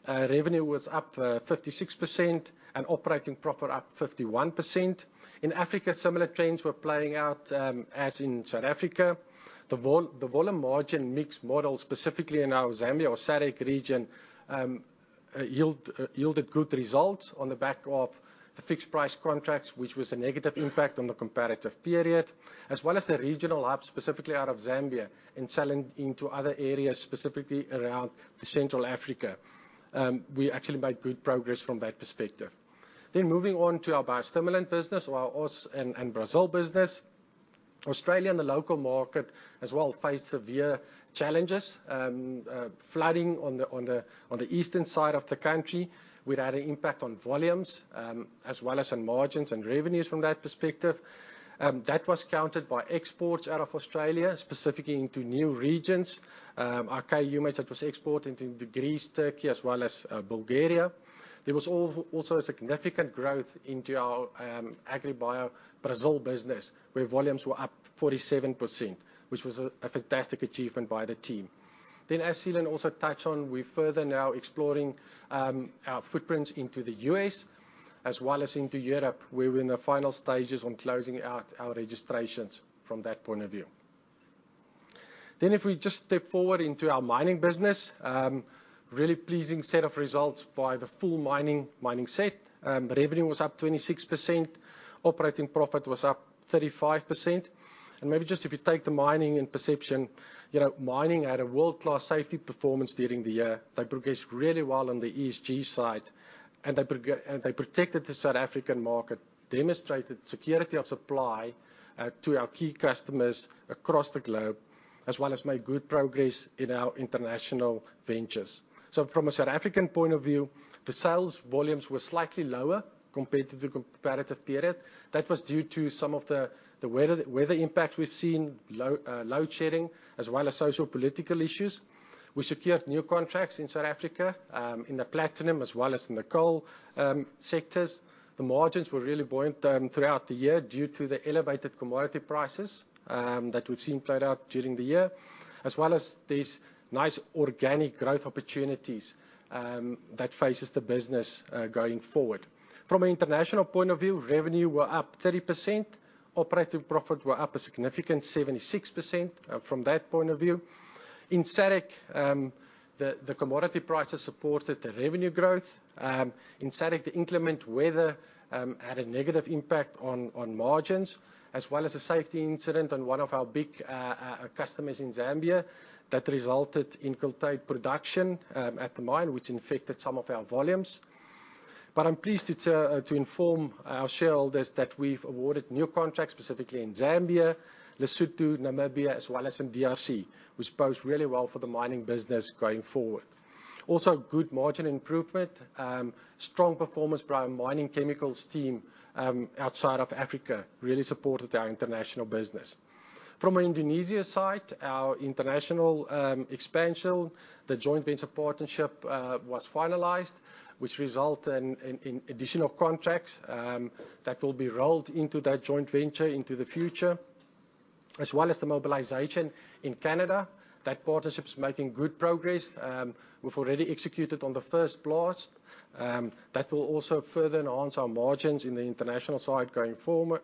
E: revenue was up 56% and operating profit up 51%. In Africa, similar trends were playing out as in South Africa. The volume margin mix model, specifically in our Zambia or SADC region, yielded good results on the back of the fixed price contracts, which was a negative impact on the comparative period, as well as the regional hub, specifically out of Zambia, and selling into other areas, specifically around the Central Africa. We actually made good progress from that perspective. Moving on to our biostimulant business, our Australia and Brazil business. Australia and the local market as well faced severe challenges. Flooding on the eastern side of the country, which had an impact on volumes, as well as on margins and revenues from that perspective. That was countered by exports out of Australia, specifically into new regions. Our K-Humate that was exported into Greece, Turkey, as well as Bulgaria. There was also a significant growth into our AgriBio Brazil business, where volumes were up 47%, which was a fantastic achievement by the team. As Seelan also touched on, we're further now exploring our footprints into the U.S. as well as into Europe. We're in the final stages on closing out our registrations from that point of view. If we just step forward into our mining business, really pleasing set of results by the full mining set. The revenue was up 26%, operating profit was up 35%. Maybe just if you take the mining and perception, you know, mining had a world-class safety performance during the year. They progressed really well on the ESG side, they protected the South African market, demonstrated security of supply to our key customers across the globe, as well as made good progress in our international ventures. From a South African point of view, the sales volumes were slightly lower compared to the comparative period. That was due to some of the weather impact we've seen, load shedding, as well as socio-political issues. We secured new contracts in South Africa in the platinum as well as in the coal sectors. The margins were really buoyant throughout the year due to the elevated commodity prices that we've seen played out during the year, as well as these nice organic growth opportunities that faces the business going forward. From an international point of view, revenue were up 30%, operating profit were up a significant 76% from that point of view. In SADC, the commodity prices supported the revenue growth. In SADC, the inclement weather had a negative impact on margins, as well as a safety incident on one of our big customers in Zambia, that resulted in curtailed production at the mine, which infected some of our volumes. I'm pleased to inform our shareholders that we've awarded new contracts, specifically in Zambia, Lesotho, Namibia, as well as in DRC, which bodes really well for the mining business going forward. Also, good margin improvement, strong performance by our mining chemicals team outside of Africa, really supported our international business. From an Indonesia side, our international expansion, the joint venture partnership was finalized, which result in additional contracts that will be rolled into that joint venture into the future, as well as the mobilization in Canada. That partnership is making good progress. We've already executed on the first blast. That will also further enhance our margins in the international side, going forward.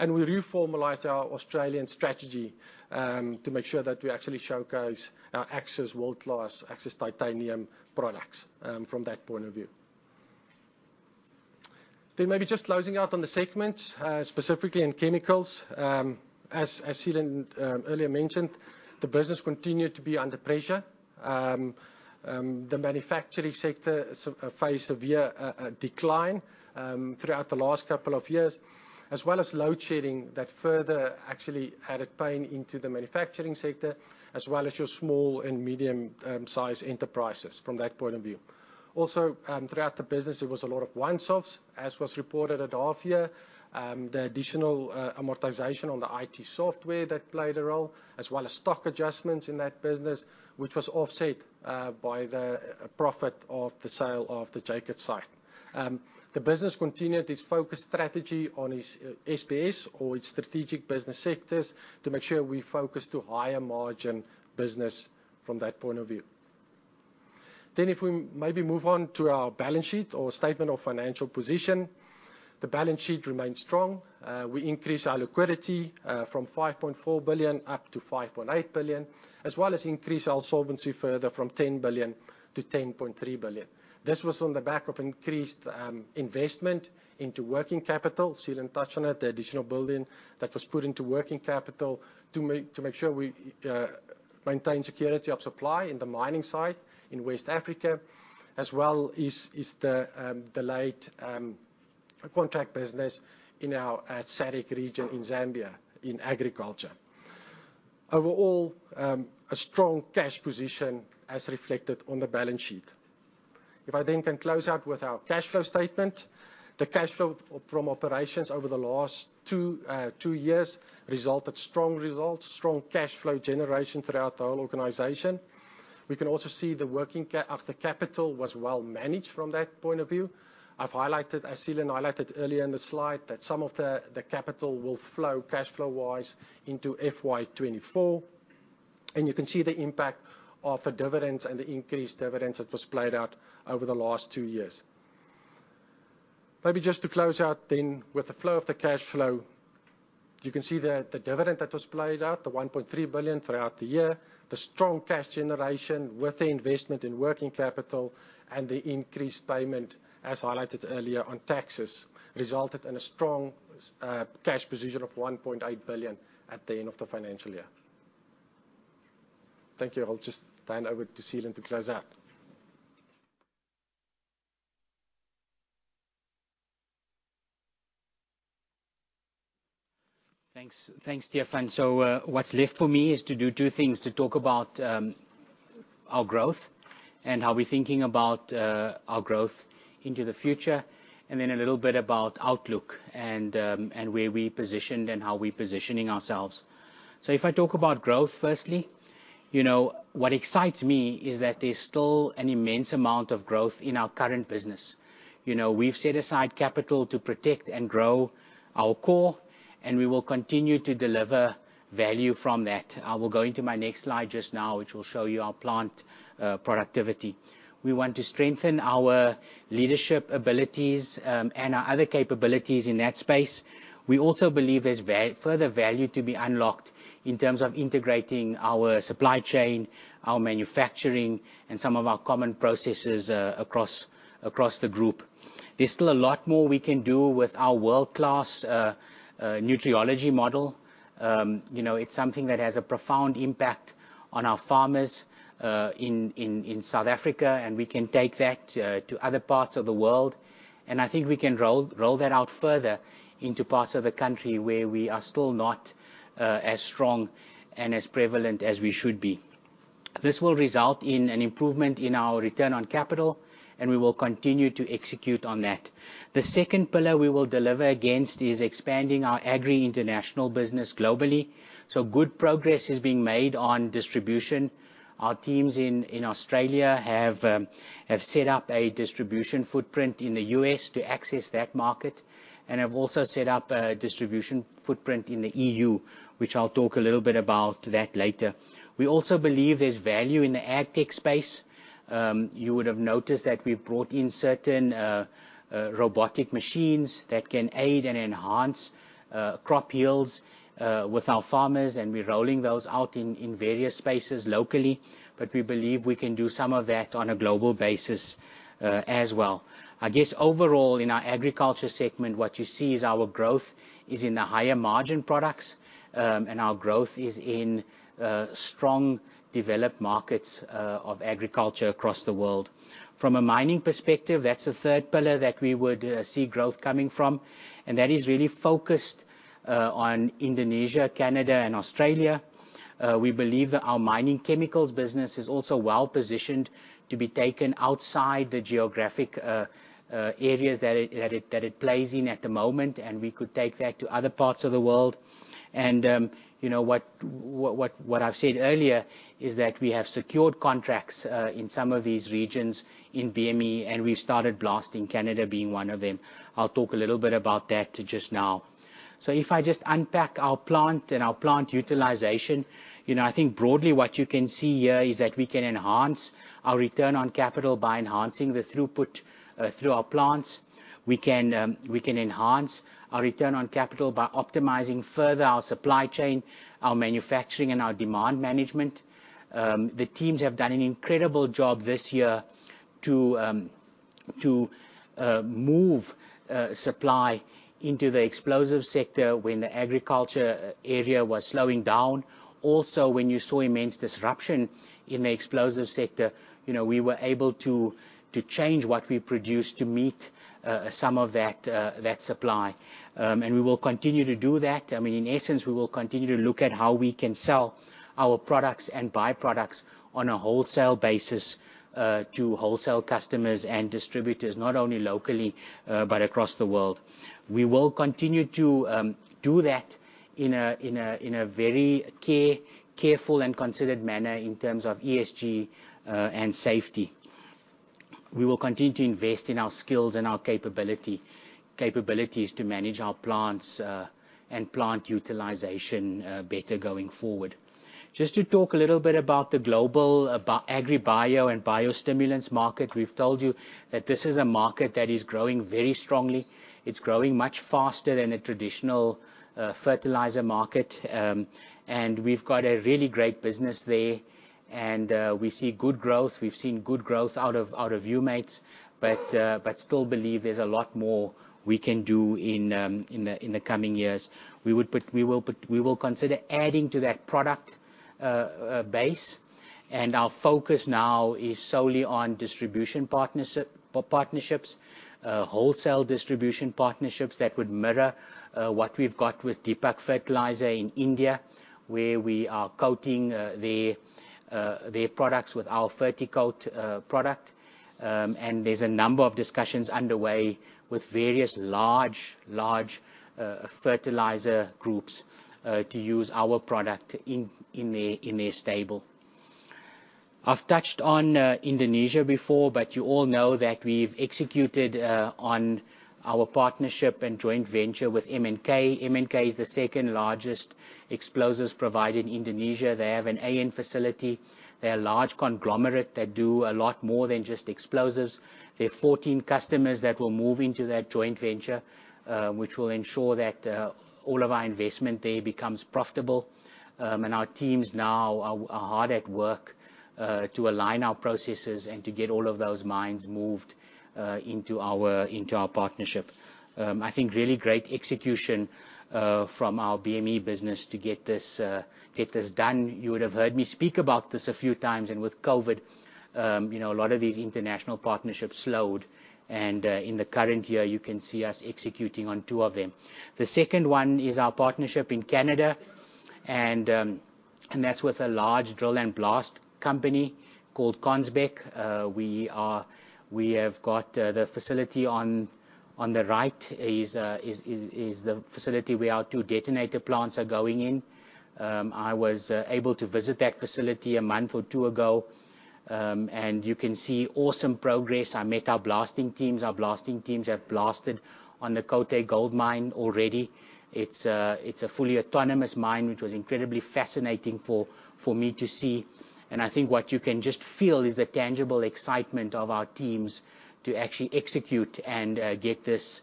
E: We reformalized our Australian strategy to make sure that we actually showcase our AXXIS world-class, AXXIS Titanium products from that point of view. Maybe just closing out on the segments, specifically in chemicals. As Seelan earlier mentioned, the business continued to be under pressure. The manufacturing sector faced severe decline throughout the last couple of years, as well as load shedding that further actually added pain into the manufacturing sector, as well as your small and medium-size enterprises from that point of view. Throughout the business, there was a lot of once-offs, as was reported at half year. The additional amortization on the IT software that played a role, as well as stock adjustments in that business, which was offset by the profit of the sale of the Jacob site. The business continued its focus strategy on its SBS, or its strategic business sectors, to make sure we focus to higher margin business from that point of view. If we maybe move on to our balance sheet or statement of financial position, the balance sheet remains strong. We increased our liquidity from 5.4 billion up to 5.8 billion, as well as increase our solvency further from 10 billion-10.3 billion. This was on the back of increased investment into working capital. Seelan touched on it, the additional building that was put into working capital to make sure we maintain security of supply in the mining side in West Africa, as well as the late contract business in our SADC region in Zambia, in agriculture. Overall, a strong cash position as reflected on the balance sheet. If I can close out with our cash flow statement. The cash flow from operations over the last two years resulted strong results, strong cash flow generation throughout the whole organization. We can also see the working capital was well managed from that point of view. I've highlighted, as Seelan highlighted earlier in the slide, that some of the capital will flow, cash flow-wise, into FY 2024. You can see the impact of the dividends and the increased dividends that was played out over the last two years. Maybe just to close out with the flow of the cash flow, you can see the dividend that was played out, the 1.3 billion throughout the year, the strong cash generation with the investment in working capital, and the increased payment, as highlighted earlier on taxes, resulted in a strong cash position of 1.8 billion at the end of the financial year. Thank you. I'll just hand over to Seelan to close out.
C: Thanks, Stephan. What's left for me is to do two things: to talk about our growth and how we're thinking about our growth into the future, and then a little bit about outlook and where we're positioned, and how we're positioning ourselves. If I talk about growth, firstly, you know, what excites me is that there's still an immense amount of growth in our current business. You know, we've set aside capital to protect and grow our core, and we will continue to deliver value from that. I will go into my next slide just now, which will show you our productivity. We want to strengthen our leadership abilities and our other capabilities in that space. We also believe there's further value to be unlocked in terms of integrating our supply chain, our manufacturing, and some of our common processes across the group. There's still a lot more we can do with our world-class Nutriology model. You know, it's something that has a profound impact on our farmers in South Africa, and we can take that to other parts of the world, and I think we can roll that out further into parts of the country where we are still not as strong and as prevalent as we should be. This will result in an improvement in our return on capital, and we will continue to execute on that. The second pillar we will deliver against is expanding our agri international business globally, so good progress is being made on distribution. Our teams in Australia have set up a distribution footprint in the U.S. to access that market, and have also set up a distribution footprint in the EU, which I'll talk a little bit about that later. We also believe there's value in the AgTech space. You would have noticed that we've brought in certain robotic machines that can aid and enhance crop yields with our farmers, and we're rolling those out in various spaces locally. We believe we can do some of that on a global basis as well. Overall, in our agriculture segment, what you see is our growth is in the higher margin products, and our growth is in strong, developed markets of agriculture across the world. From a mining perspective, that's the third pillar that we would see growth coming from, and that is really focused on Indonesia, Canada, and Australia. We believe that our mining chemicals business is also well-positioned to be taken outside the geographic areas that it plays in at the moment, and we could take that to other parts of the world. You know, what I've said earlier is that we have secured contracts in some of these regions in BME, and we've started blasting, Canada being one of them. I'll talk a little bit about that just now. If I just unpack our plant and our plant utilization, you know, I think broadly what you can see here is that we can enhance our return on capital by enhancing the throughput through our plants. We can enhance our return on capital by optimizing further our supply chain, our manufacturing, and our demand management. The teams have done an incredible job this year to move supply into the explosives sector when the agriculture area was slowing down. Also, when you saw immense disruption in the explosives sector, you know, we were able to change what we produced to meet some of that supply. We will continue to do that. I mean, in essence, we will continue to look at how we can sell our products and byproducts on a wholesale basis to wholesale customers and distributors, not only locally but across the world. We will continue to do that in a very careful and considered manner in terms of ESG and safety. We will continue to invest in our skills and our capabilities to manage our plants and plant utilization better going forward. Just to talk a little bit about the global AgriBio and biostimulants market, we've told you that this is a market that is growing very strongly. It's growing much faster than a traditional fertilizer market, and we've got a really great business there, and we see good growth. We've seen good growth out of Mates, but still believe there's a lot more we can do in the coming years. We will put... We will consider adding to that product base. Our focus now is solely on distribution partnerships, wholesale distribution partnerships that would mirror what we've got with Deepak Fertilisers in India, where we are coating their products with our FertiCoat product. There's a number of discussions underway with various large fertilizer groups to use our product in their stable. I've touched on Indonesia before. You all know that we've executed on our partnership and joint venture with MNK. MNK is the second-largest explosives provider in Indonesia. They have an AN facility. They're a large conglomerate that do a lot more than just explosives. There are 14 customers that will move into that joint venture, which will ensure that all of our investment there becomes profitable. Our teams now are hard at work to align our processes and to get all of those mines moved into our partnership. I think really great execution from our BME business to get this done. You would have heard me speak about this a few times, and with COVID, you know, a lot of these international partnerships slowed, and in the current year, you can see us executing on two of them. The second one is our partnership in Canada, that's with a large drill and blast company called Consbec. We have got the facility on the right is the facility where our two detonator plants are going in. I was able to visit that facility a month or two ago. You can see awesome progress. I met our blasting teams. Our blasting teams have blasted on the Côté Gold Mine already. It's a fully autonomous mine, which was incredibly fascinating for me to see. I think what you can just feel is the tangible excitement of our teams to actually execute and get this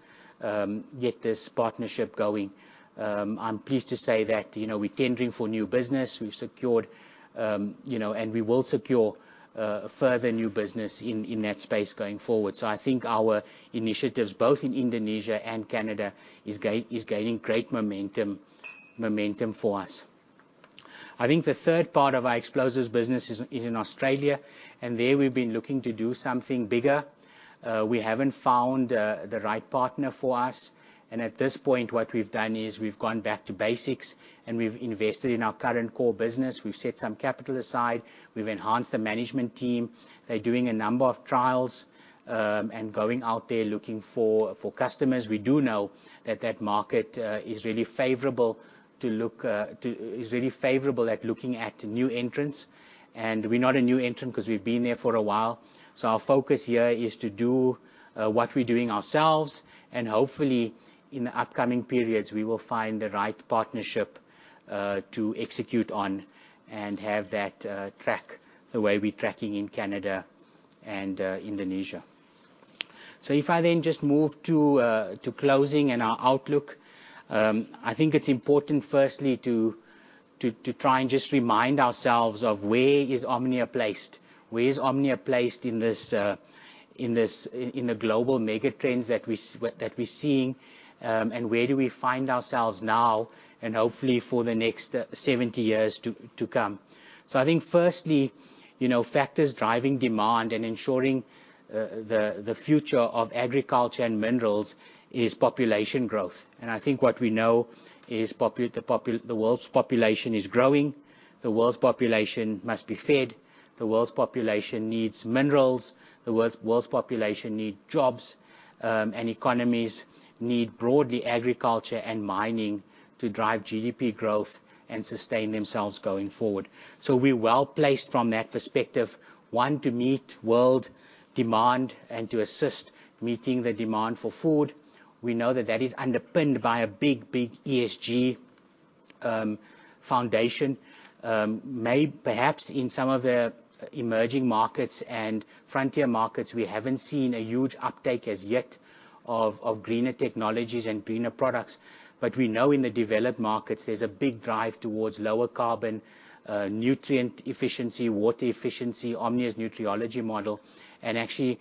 C: partnership going. I'm pleased to say that, you know, we're tendering for new business. We've secured, you know, we will secure further new business in that space going forward. I think our initiatives, both in Indonesia and Canada, is gaining great momentum for us. I think the third part of our explosives business is in Australia. There we've been looking to do something bigger. We haven't found the right partner for us, and at this point, what we've done is we've gone back to basics, and we've invested in our current core business. We've set some capital aside. We've enhanced the management team. They're doing a number of trials and going out there looking for customers. We do know that that market is really favorable at looking at new entrants, and we're not a new entrant 'cause we've been there for a while. Our focus here is to do what we're doing ourselves and hopefully, in the upcoming periods, we will find the right partnership to execute on and have that track, the way we're tracking in Canada and Indonesia. If I then just move to closing and our outlook, I think it's important firstly, to try and just remind ourselves of where is Omnia placed. Where is Omnia placed in this, in the global mega trends that we're seeing, and where do we find ourselves now and hopefully for the next 70 years to come? I think firstly, you know, factors driving demand and ensuring the future of agriculture and minerals is population growth, and I think what we know is the world's population is growing. The world's population must be fed. The world's population needs minerals. The world's population need jobs, and economies need, broadly, agriculture and mining to drive GDP growth and sustain themselves going forward. We're well placed from that perspective, one, to meet world demand and to assist meeting the demand for food. We know that that is underpinned by a big, big ESG foundation. Perhaps in some of the emerging markets and frontier markets, we haven't seen a huge uptake as yet of greener technologies and greener products, but we know in the developed markets there's a big drive towards lower carbon, nutrient efficiency, water efficiency, Omnia's Nutriology model, and actually,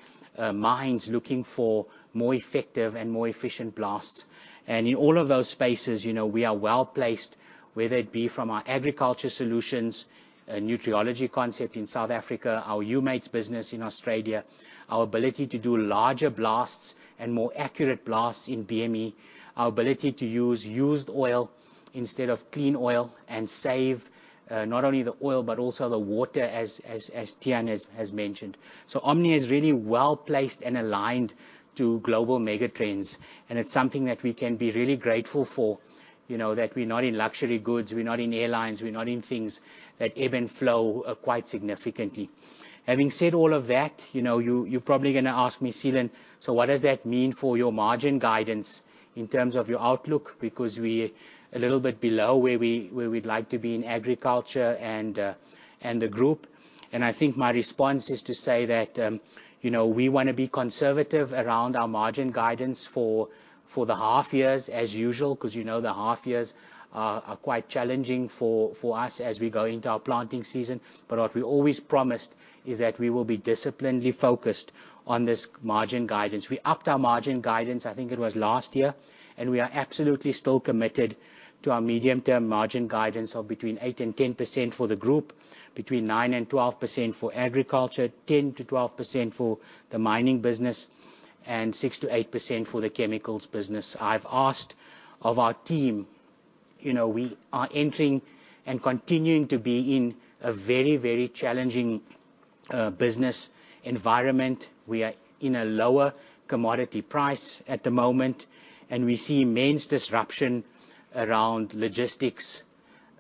C: mines looking for more effective and more efficient blasts. In all of those spaces, you know, we are well placed, whether it be from our agriculture solutions, Nutriology concept in South Africa, our Mates business in Australia, our ability to do larger blasts and more accurate blasts in BME, our ability to use used oil instead of clean oil and save, not only the oil, but also the water, as Tiaan has mentioned. Omnia is really well placed and aligned to global mega trends, and it's something that we can be really grateful for, you know, that we're not in luxury goods, we're not in airlines, we're not in things that ebb and flow quite significantly. Having said all of that, you know, you're probably gonna ask me, "Seelan, what does that mean for your margin guidance in terms of your outlook? Because we're a little bit below where we, where we'd like to be in agriculture and the group. I think my response is to say that, you know, we wanna be conservative around our margin guidance for the half years as usual, 'cause you know the half years are quite challenging for us as we go into our planting season. What we always promised is that we will be disciplinedly focused on this margin guidance. We upped our margin guidance, I think it was last year, and we are absolutely still committed to our medium-term margin guidance of between 8% and 10% for the group, between 9% and 12% for agriculture, 10%-12% for the mining business, and 6%-8% for the chemicals business. I've asked of our team, you know, we are entering and continuing to be in a very, very challenging business environment. We are in a lower commodity price at the moment, and we see immense disruption around logistics,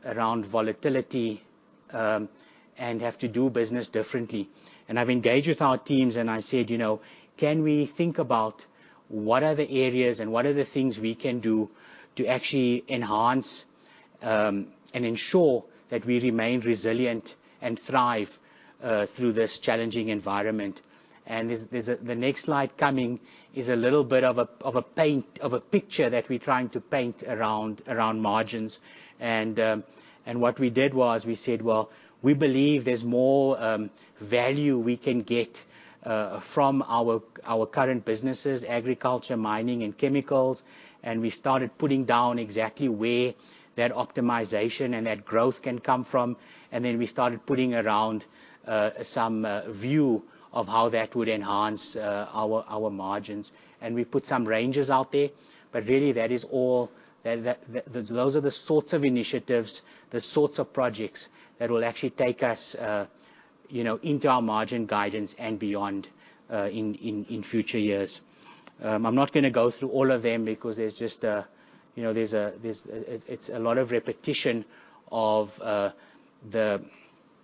C: around volatility, and have to do business differently. I've engaged with our teams, and I said, "You know, can we think about what are the areas and what are the things we can do to actually enhance and ensure that we remain resilient and thrive through this challenging environment?" The next slide coming is a little bit of a picture that we're trying to paint around margins. What we did was we said, "Well, we believe there's more value we can get from our current businesses, agriculture, mining, and chemicals." We started putting down exactly where that optimization and that growth can come from, and then we started putting around some view of how that would enhance our margins. We put some ranges out there, but really, that is all, those are the sorts of initiatives, the sorts of projects that will actually take us, you know, into our margin guidance and beyond in future years. I'm not gonna go through all of them because there's just a, you know, there's a lot of repetition of the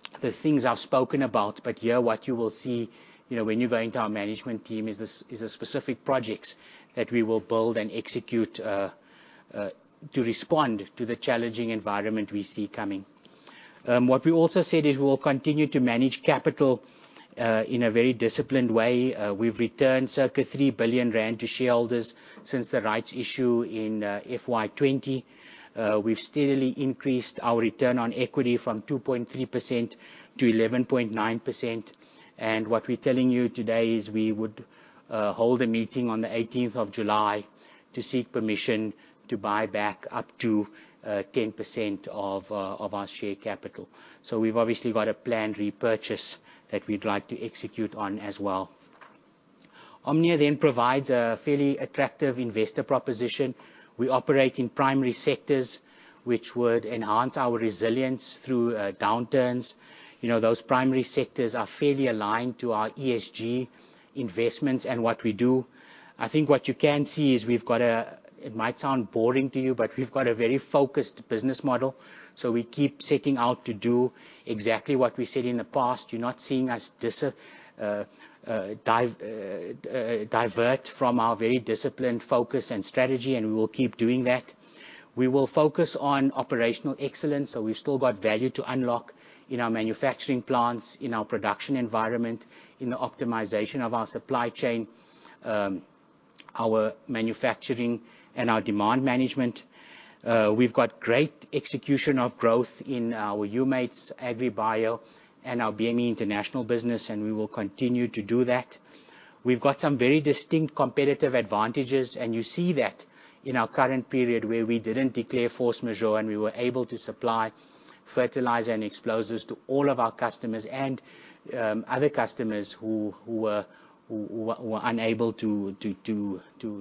C: things I've spoken about. Here, what you will see, you know, when you go into our management team, is the specific projects that we will build and execute to respond to the challenging environment we see coming. What we also said is we will continue to manage capital in a very disciplined way. We've returned circa 3 billion rand to shareholders since the rights issue in FY 20. We've steadily increased our return on equity from 2.3%-11.9%. What we're telling you today is we would hold a meeting on the 18th of July to seek permission to buy back up to 10% of our share capital. We've obviously got a planned repurchase that we'd like to execute on as well. Omnia provides a fairly attractive investor proposition. We operate in primary sectors, which would enhance our resilience through downturns. You know, those primary sectors are fairly aligned to our ESG investments and what we do. I think what you can see is we've got a, it might sound boring to you, but we've got a very focused business model, so we keep setting out to do exactly what we said in the past. You're not seeing us divert from our very disciplined focus and strategy, and we will keep doing that. We will focus on operational excellence, so we've still got value to unlock in our manufacturing plants, in our production environment, in the optimization of our supply chain, our manufacturing and our demand management. We've got great execution of growth in our Mates AgriBio and our BME international business, and we will continue to do that. We've got some very distinct competitive advantages. You see that in our current period, where we didn't declare force majeure, and we were able to supply fertilizer and explosives to all of our customers and other customers who were unable to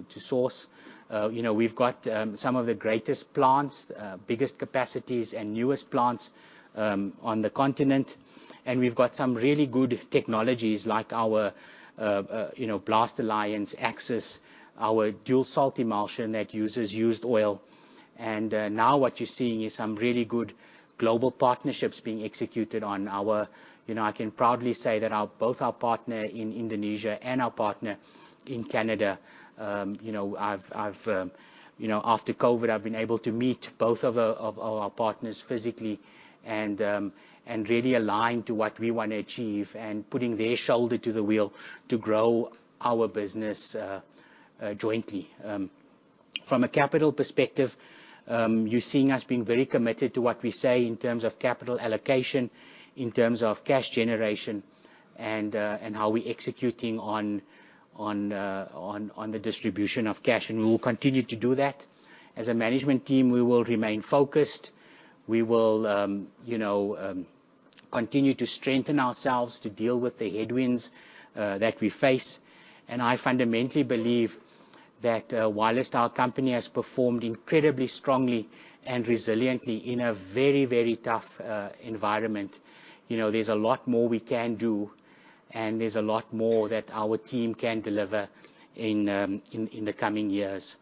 C: source. You know, we've got some of the greatest plants, biggest capacities, and newest plants on the continent, and we've got some really good technologies, like our, you know, Blast Alliance AXXIS, our dual salt emulsion that uses used oil. Now what you're seeing is some really good global partnerships being executed on our... You know, I can proudly say that our, both our partner in Indonesia and our partner in Canada, you know, I've been able to meet both of our partners physically and really align to what we want to achieve, and putting their shoulder to the wheel to grow our business jointly. From a capital perspective, you're seeing us being very committed to what we say in terms of capital allocation, in terms of cash generation, and how we're executing on the distribution of cash, and we will continue to do that. As a management team, we will remain focused. We will, you know, continue to strengthen ourselves to deal with the headwinds that we face. I fundamentally believe that, while our company has performed incredibly strongly and resiliently in a very, very tough environment, you know, there's a lot more we can do, and there's a lot more that our team can deliver in the coming years.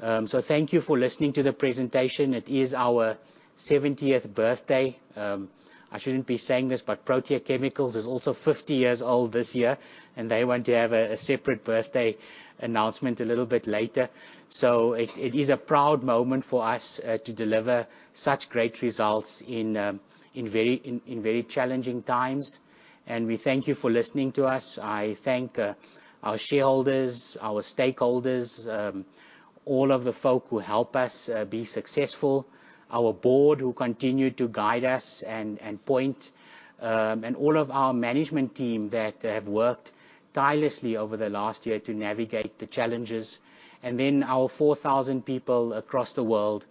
C: Thank you for listening to the presentation. It is our 70th birthday. I shouldn't be saying this, but Protea Chemicals is also 50 years old this year, and they want to have a separate birthday announcement a little bit later. It is a proud moment for us to deliver such great results in very, very challenging times, and we thank you for listening to us. I thank our shareholders, our stakeholders, all of the folk who help us be successful, our board, who continue to guide us and point, and all of our management team that have worked tirelessly over the last year to navigate the challenges. Our 4,000 people across the world,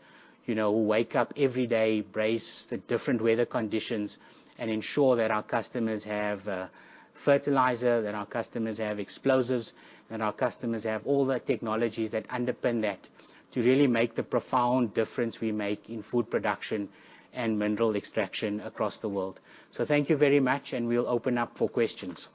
C: you know, who wake up every day, brace the different weather conditions, and ensure that our customers have fertilizer, that our customers have explosives, that our customers have all the technologies that underpin that, to really make the profound difference we make in food production and mineral extraction across the world. Thank you very much, and we'll open up for questions.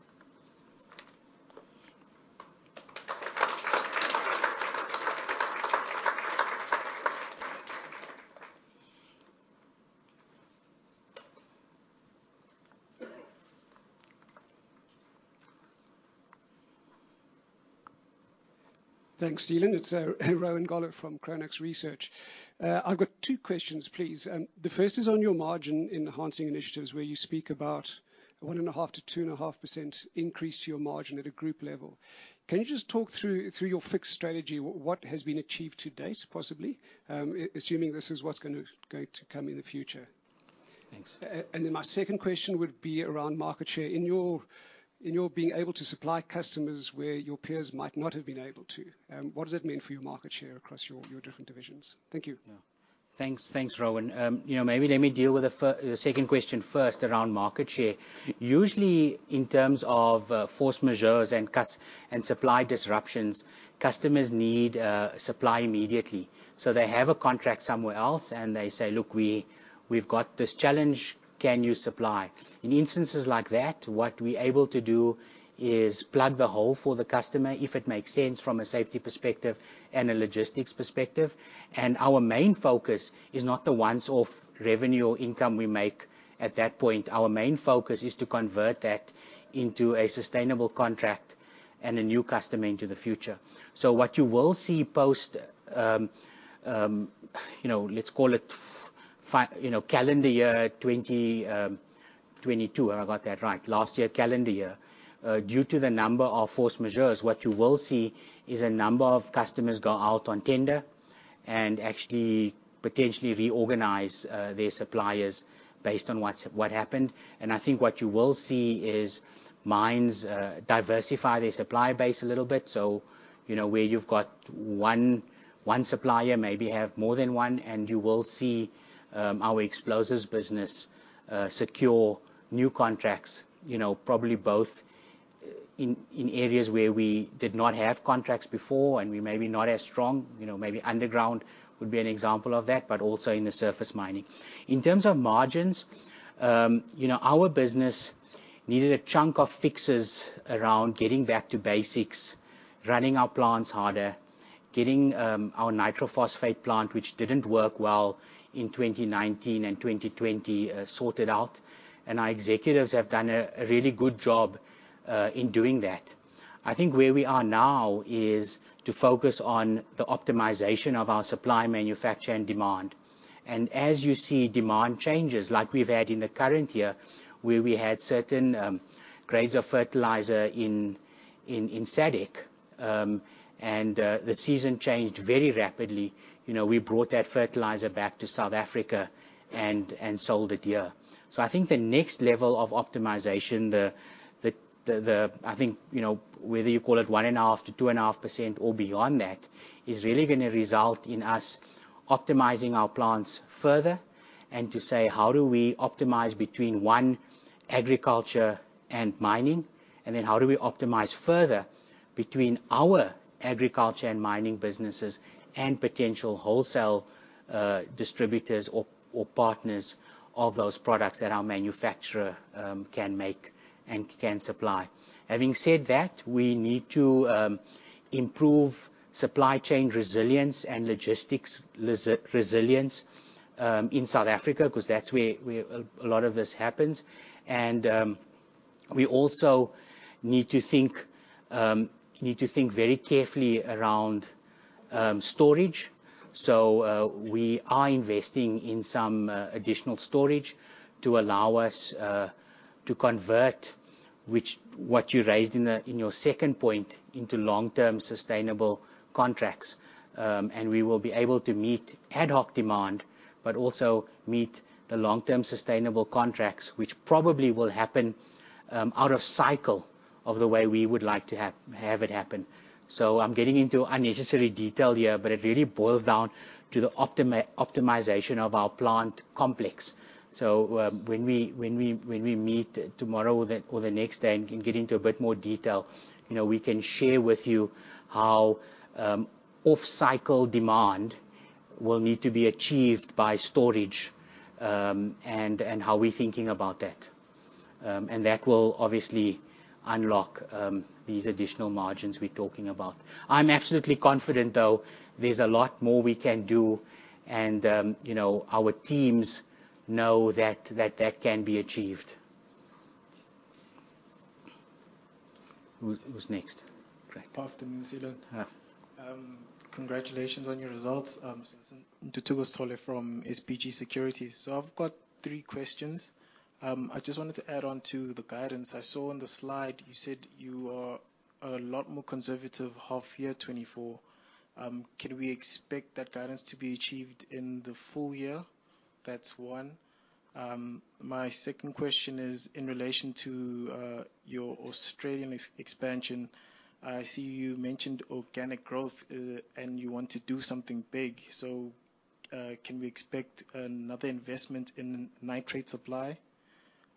F: Thanks, Seelan. It's Rowan Goeller from Chronux Research. I've got two questions, please. The first is on your margin-enhancing initiatives, where you speak about 1.5%-2.5% increase to your margin at a group level. Can you just talk through your fixed strategy, what has been achieved to date, possibly, assuming this is what's going to come in the future? Thanks. My second question would be around market share. In your being able to supply customers where your peers might not have been able to, what does that mean for your market share across your different divisions? Thank you.
C: Yeah. Thanks, Rowan. you know, maybe let me deal with the second question first, around market share. Usually, in terms of force majeure and supply disruptions, customers need supply immediately. They have a contract somewhere else, and they say, "Look, we've got this challenge, can you supply?" In instances like that, what we're able to do is plug the hole for the customer, if it makes sense from a safety perspective and a logistics perspective. Our main focus is not the once-off revenue or income we make at that point. Our main focus is to convert that into a sustainable contract and a new customer into the future. What you will see post, you know, let's call it, you know, calendar year 2022, I got that right, last year, calendar year. Due to the number of force majeures, what you will see is a number of customers go out on tender and actually potentially reorganize their suppliers based on what happened. I think what you will see is mines diversify their supply base a little bit. You know, where you've got one supplier, maybe have more than one. You will see our explosives business secure new contracts, you know, probably both in areas where we did not have contracts before and we may be not as strong. You know, maybe underground would be an example of that, but also in the surface mining. In terms of margins, you know, our business needed a chunk of fixes around getting back to basics, running our plants harder, getting our nitrophosphate plant, which didn't work well in 2019 and 2020, sorted out, and our executives have done a really good job in doing that. I think where we are now is to focus on the optimization of our supply, manufacture, and demand. As you see demand changes, like we've had in the current year, where we had certain grades of fertilizer in SADC, and the season changed very rapidly, you know, we brought that fertilizer back to South Africa and sold it here. I think the next level of optimization, I think, you know, whether you call it 1.5%-2.5% or beyond that, is really gonna result in us optimizing our plants further and to say, "How do we optimize between, one, agriculture and mining? Then how do we optimize further between our agriculture and mining businesses and potential wholesale distributors or partners of those products that our manufacturer can make and can supply?" Having said that, we need to improve supply chain resilience and logistics resilience in South Africa, 'cause that's where a lot of this happens. We also need to think very carefully around storage. We are investing in some additional storage to allow us to convert, which what you raised in your second point, into long-term sustainable contracts. We will be able to meet ad hoc demand, but also meet the long-term sustainable contracts, which probably will happen out of cycle of the way we would like to have it happen. I'm getting into unnecessary detail here, but it really boils down to the optimization of our plant complex. When we meet tomorrow or the next day and can get into a bit more detail, you know, we can share with you how off-cycle demand will need to be achieved by storage and how we're thinking about that. That will obviously unlock these additional margins we're talking about. I'm absolutely confident, though, there's a lot more we can do, and, you know, our teams know that that can be achieved. Who's next? Great.
G: Good afternoon, Seelan.
C: Hi.
G: Congratulations on your results. Ntuthuko Sithole from SBG Securities. I've got three questions. I just wanted to add on to the guidance. I saw on the slide you said you are a lot more conservative half year 2024. Can we expect that guidance to be achieved in the full year? That's one. My second question is in relation to your Australian expansion. I see you mentioned organic growth, and you want to do something big, can we expect another investment in nitrate supply,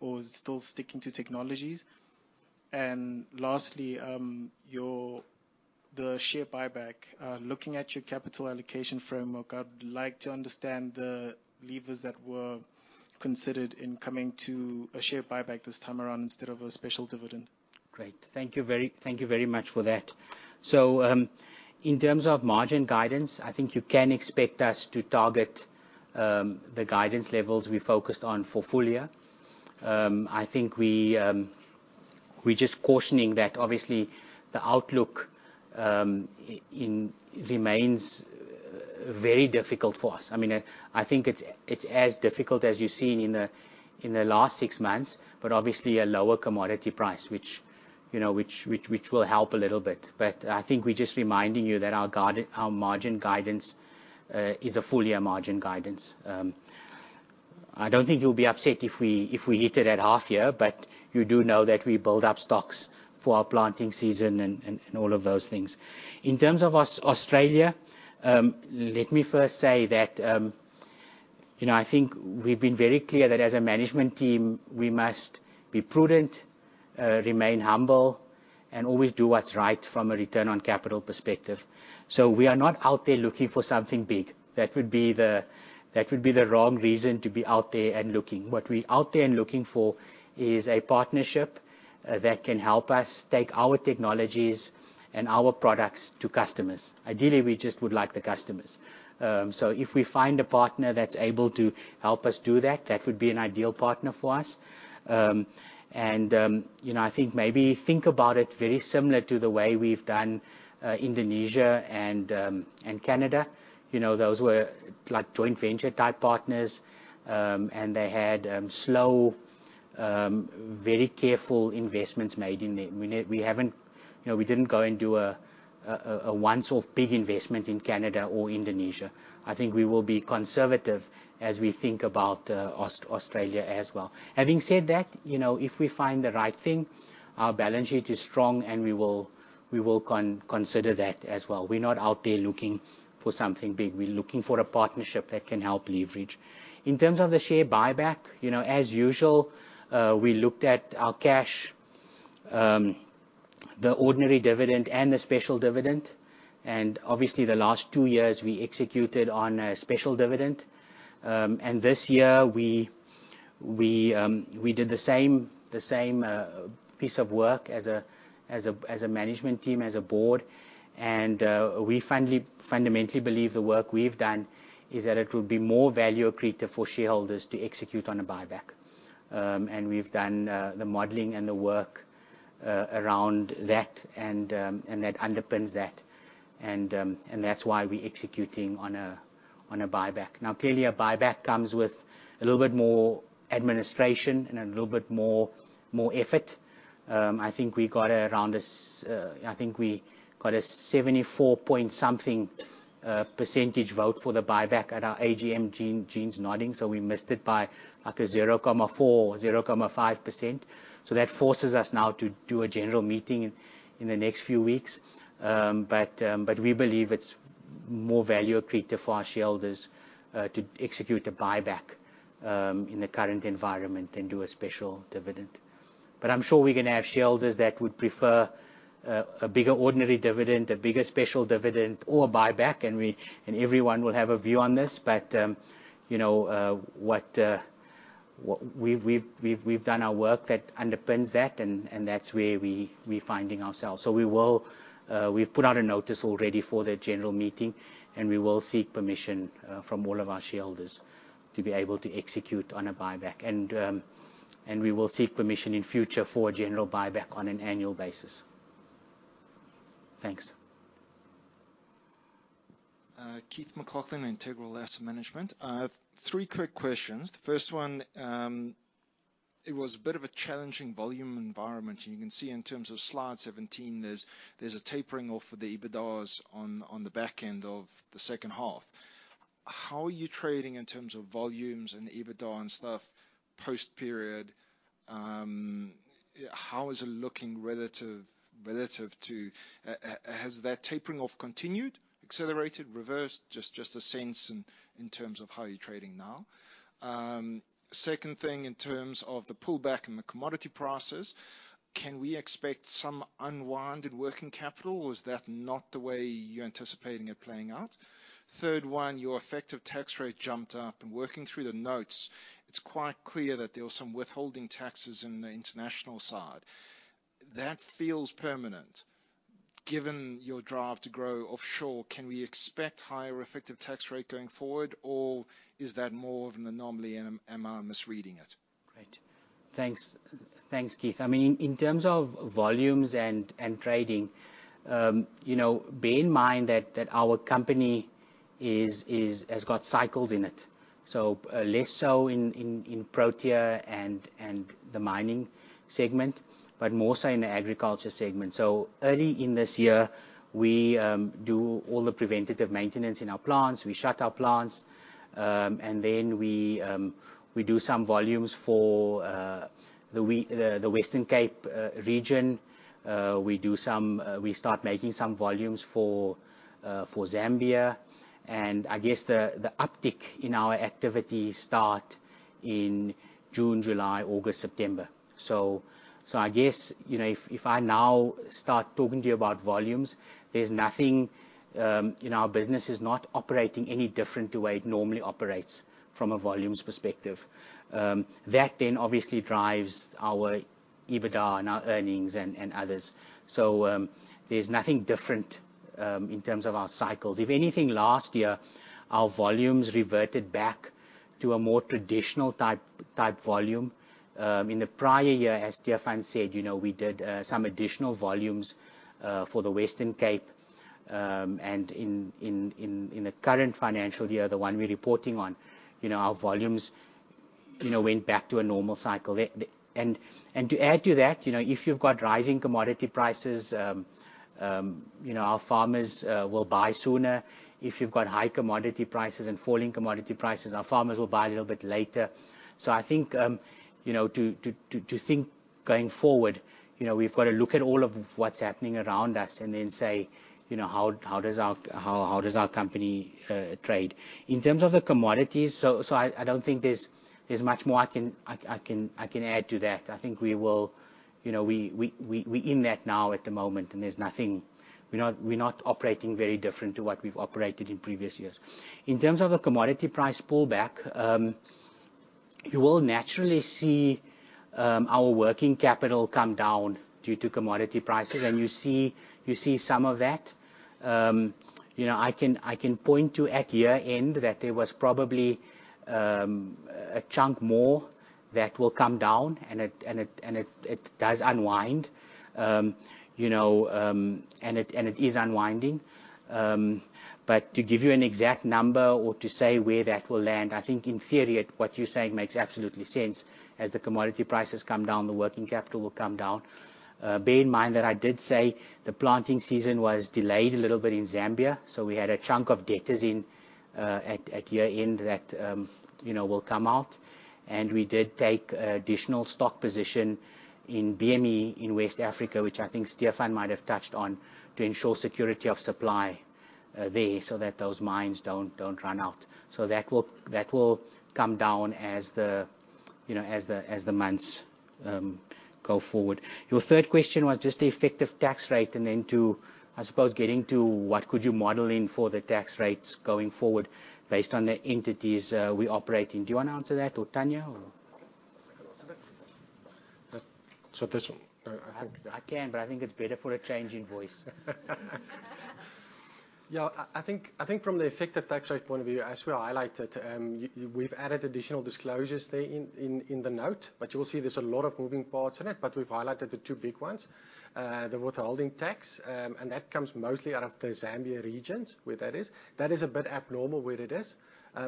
G: or is it still sticking to technologies? Lastly, the share buyback. Looking at your capital allocation framework, I would like to understand the levers that were considered in coming to a share buyback this time around instead of a special dividend.
C: Great. Thank you very much for that. In terms of margin guidance, I think you can expect us to target the guidance levels we focused on for full year. I think we're just cautioning that obviously the outlook remains very difficult for us. I mean, I think it's as difficult as you've seen in the last six months, but obviously a lower commodity price, which, you know, which will help a little bit. I think we're just reminding you that our margin guidance is a full year margin guidance. I don't think you'll be upset if we hit it at half year, but you do know that we build up stocks for our planting season and all of those things. In terms of us, Australia, let me first say that, you know, I think we've been very clear that as a management team, we must be prudent, remain humble, and always do what's right from a return on capital perspective. We are not out there looking for something big. That would be the wrong reason to be out there and looking. What we're out there and looking for is a partnership that can help us take our technologies and our products to customers. Ideally, we just would like the customers. If we find a partner that's able to help us do that would be an ideal partner for us. You know, I think maybe think about it very similar to the way we've done Indonesia and Canada. You know, those were like joint venture-type partners, and they had slow, very careful investments made in there. We haven't, you know, we didn't go and do a once-off big investment in Canada or Indonesia. I think we will be conservative as we think about Australia as well. Having said that, you know, if we find the right thing, our balance sheet is strong, and we will consider that as well. We're not out there looking for something big. We're looking for a partnership that can help leverage. In terms of the share buyback, you know, as usual, we looked at our cash, the ordinary dividend and the special dividend, obviously, the last 2 years we executed on a special dividend. This year, we did the same piece of work as a management team, as a board, and we finally fundamentally believe the work we've done is that it would be more value accretive for shareholders to execute on a buyback. We've done the modeling and the work around that, and that underpins that, and that's why we're executing on a buyback. Now, clearly, a buyback comes with a little bit more administration and a little bit more effort. I think we got a 74 point something percentage vote for the buyback at our AGM. Gene's nodding, we missed it by a 0.4%, 0.5%. That forces us now to do a general meeting in the next few weeks. We believe it's more value accretive for our shareholders to execute a buyback in the current environment than do a special dividend. I'm sure we're gonna have shareholders that would prefer a bigger ordinary dividend, a bigger special dividend, or a buyback. Everyone will have a view on this. You know, what we've done our work that underpins that, and that's where we finding ourselves. We will, we've put out a notice already for the general meeting, and we will seek permission from all of our shareholders to be able to execute on a buyback. We will seek permission in future for a general buyback on an annual basis. Thanks.
H: Keith McLachlan, Integral Asset Management. I have three quick questions. The first one, it was a bit of a challenging volume environment. You can see in terms of slide 17, there's a tapering off of the EBITDAs on the back end of the second half. How are you trading in terms of volumes and EBITDA and stuff post-period? How is it looking relative to? Has that tapering off continued, accelerated, reversed? Just a sense in terms of how you're trading now. Second thing, in terms of the pullback in the commodity prices, can we expect some unwound working capital, or is that not the way you're anticipating it playing out? Third one, your effective tax rate jumped up, and working through the notes, it's quite clear that there were some withholding taxes in the international side. That feels permanent. Given your drive to grow offshore, can we expect higher effective tax rate going forward, or is that more of an anomaly, and am I misreading it?
C: Great. Thanks. Thanks, Keith. I mean, in terms of volumes and trading, you know, bear in mind that our company is, has got cycles in it. Less so in Protea and the mining segment, but more so in the agriculture segment. Early in this year, we do all the preventative maintenance in our plants, we shut our plants, we do some volumes for the Western Cape region. We start making some volumes for Zambia, I guess the uptick in our activity start in June, July, August, September. I guess, you know, if I now start talking to you about volumes, there's nothing. You know, our business is not operating any different to the way it normally operates from a volumes perspective. That then obviously drives our EBITDA and our earnings and others. There's nothing different in terms of our cycles. If anything, last year, our volumes reverted back to a more traditional type volume. In the prior year, as Stephan said, you know, we did some additional volumes for the Western Cape. In the current financial year, the one we're reporting on, you know, our volumes, you know, went back to a normal cycle. To add to that, you know, if you've got rising commodity prices, you know, our farmers will buy sooner. If you've got high commodity prices and falling commodity prices, our farmers will buy a little bit later. I think, you know, to think going forward, you know, we've got to look at all of what's happening around us and then say, you know, how does our company trade? In terms of the commodities, I don't think there's much more I can add to that. I think we will. You know, we in that now at the moment, and there's nothing. We're not operating very different to what we've operated in previous years. In terms of the commodity price pullback, you will naturally see our working capital come down due to commodity prices. You see some of that. You know, I can point to at year-end that there was probably a chunk more that will come down, and it does unwind. You know, and it is unwinding. To give you an exact number or to say where that will land, I think in theory, what you're saying makes absolutely sense. As the commodity prices come down, the working capital will come down. Bear in mind that I did say the planting season was delayed a little bit in Zambia, so we had a chunk of debtors at year-end that, you know, will come out. We did take additional stock position in BME, in West Africa, which I think Stephan might have touched on, to ensure security of supply there, so that those mines don't run out. That will come down as the, you know, as the, as the months go forward. Your third question was just the effective tax rate, and then to, I suppose, getting to what could you model in for the tax rates going forward based on the entities we operate in. Do you wanna answer that or Tiaan, or?
E: This one, I.
C: I can, but I think it's better for a change in voice.
E: Yeah, I think from the effective tax rate point of view, as we highlighted, we've added additional disclosures there in the note. You will see there's a lot of moving parts in it. We've highlighted the two big ones. The withholding tax, and that comes mostly out of the Zambia regions, where that is. That is a bit abnormal where it is,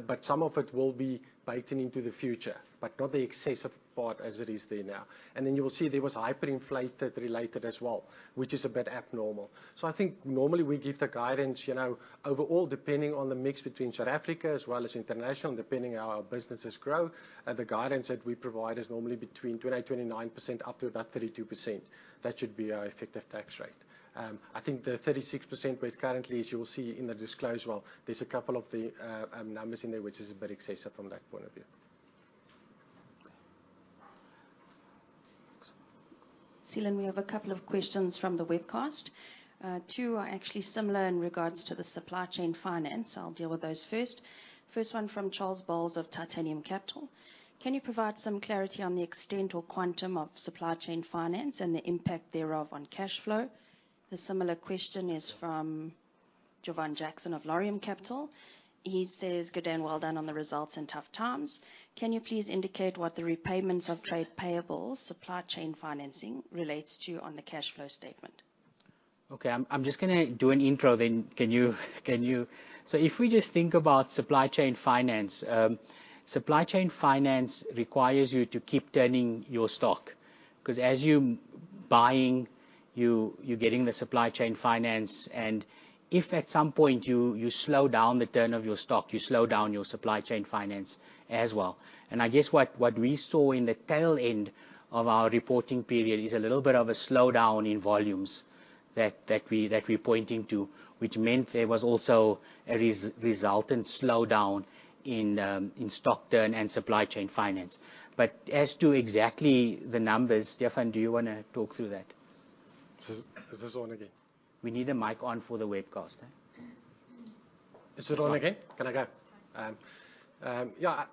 E: but some of it will be biting into the future, but not the excessive part as it is there now. You will see there was hyperinflation related as well, which is a bit abnormal. I think normally we give the guidance, you know, overall, depending on the mix between South Africa as well as international, depending on how our businesses grow, the guidance that we provide is normally between 28%-29%, up to about 32%. That should be our effective tax rate. I think the 36% where it currently is, you will see in the disclosure, there's a couple of the numbers in there, which is a bit excessive from that point of view.
A: Seelan, we have a couple of questions from the webcast. Two are actually similar in regards to the supply chain finance. I'll deal with those first. First one from Charles Boles of Titanium Capital: "Can you provide some clarity on the extent or quantum of supply chain finance and the impact thereof on cash flow?" The similar question is from Jovan Jackson of Laurium Capital. He says, "Good day, and well done on the results in tough times. Can you please indicate what the repayments of trade payables, supply chain financing relates to on the cash flow statement?
C: Okay, I'm just gonna do an intro, then can you. If we just think about supply chain finance, supply chain finance requires you to keep turning your stock, 'cause as you buying, you're getting the supply chain finance, and if at some point you slow down the turn of your stock, you slow down your supply chain finance as well. I guess what we saw in the tail end of our reporting period is a little bit of a slowdown in volumes that we're pointing to, which meant there was also a resultant slowdown in stock turn and supply chain finance. As to exactly the numbers, Stephan, do you wanna talk through that?
E: Is this on again?
C: We need the mic on for the webcast, huh?
E: Is it on again? Can I go?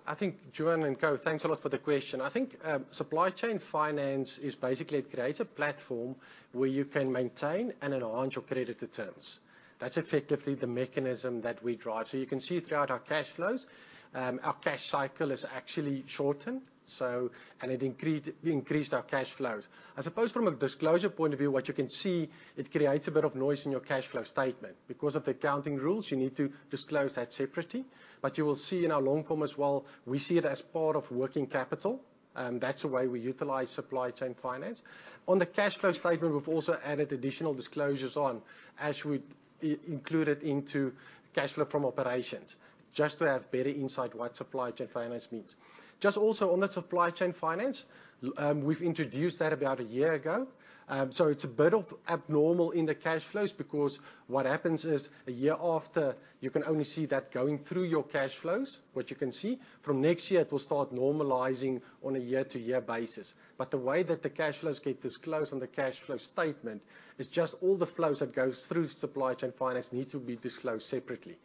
E: I think Jovan, thanks a lot for the question. I think supply chain finance is basically it creates a platform where you can maintain and enhance your creditor terms. That's effectively the mechanism that we drive. You can see throughout our cash flows, our cash cycle is actually shortened, we increased our cash flows. I suppose from a disclosure point of view, what you can see, it creates a bit of noise in your cash flow statement. Of the accounting rules, you need to disclose that separately. You will see in our long form as well, we see it as part of working capital, and that's the way we utilize supply chain finance. On the cash flow statement, we've also added additional disclosures on, as we include it into cash flow from operations, just to have better insight what supply chain finance means. Just also on the supply chain finance, we've introduced that about a year ago. It's a bit of abnormal in the cash flows because what happens is, a year after, you can only see that going through your cash flows. What you can see from next year, it will start normalizing on a year-to-year basis. The way that the cash flows get disclosed on the cash flow statement is just all the flows that goes through supply chain finance need to be disclosed separately.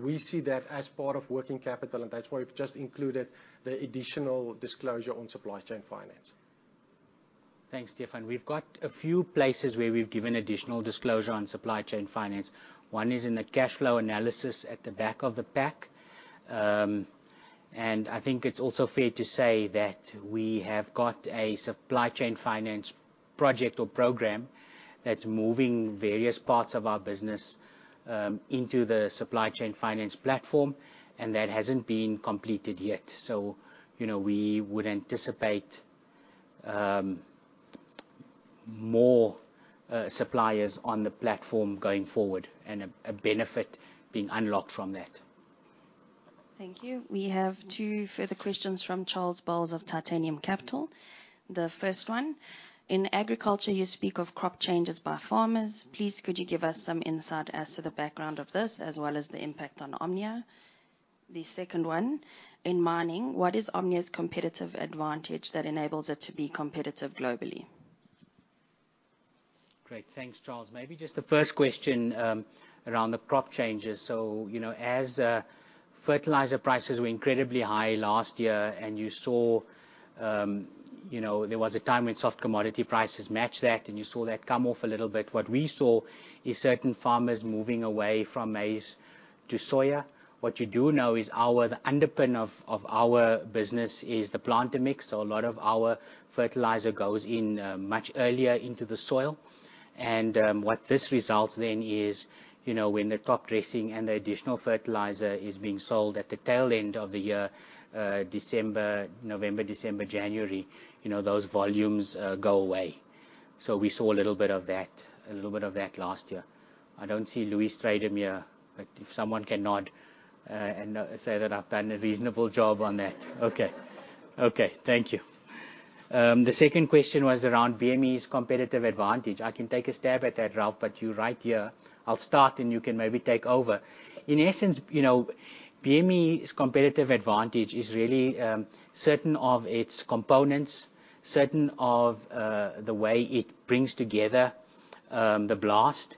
E: We see that as part of working capital, and that's why we've just included the additional disclosure on supply chain finance.
C: Thanks, Stephan. We've got a few places where we've given additional disclosure on supply chain finance. One is in the cash flow analysis at the back of the pack. I think it's also fair to say that we have got a supply chain finance project or program that's moving various parts of our business into the supply chain finance platform, and that hasn't been completed yet. You know, we would anticipate more suppliers on the platform going forward and a benefit being unlocked from that.
A: Thank you. We have two further questions from Charles Boles of Titanium Capital. The first one: "In agriculture, you speak of crop changes by farmers. Please, could you give us some insight as to the background of this, as well as the impact on Omnia?" The second one: "In mining, what is Omnia's competitive advantage that enables it to be competitive globally?
C: Great. Thanks, Charles. Maybe just the first question, around the crop changes. You know, as fertilizer prices were incredibly high last year, and you saw, you know, there was a time when soft commodity prices matched that, and you saw that come off a little bit. What we saw is certain farmers moving away from maize to soya. What you do know is our, the underpin of our business is the planter mix, so a lot of our fertilizer goes in much earlier into the soil. What this results then is, you know, when the top dressing and the additional fertilizer is being sold at the tail end of the year, December, November, December, January, you know, those volumes go away. We saw a little bit of that last year. I don't see Louis Strydom here, if someone can nod and say that I've done a reasonable job on that. Okay. Okay, thank you. The second question was around BME's competitive advantage. I can take a stab at that, Ralph, you're right here. I'll start, you can maybe take over. In essence, you know, BME's competitive advantage is really certain of its components, certain of the way it brings together the blast,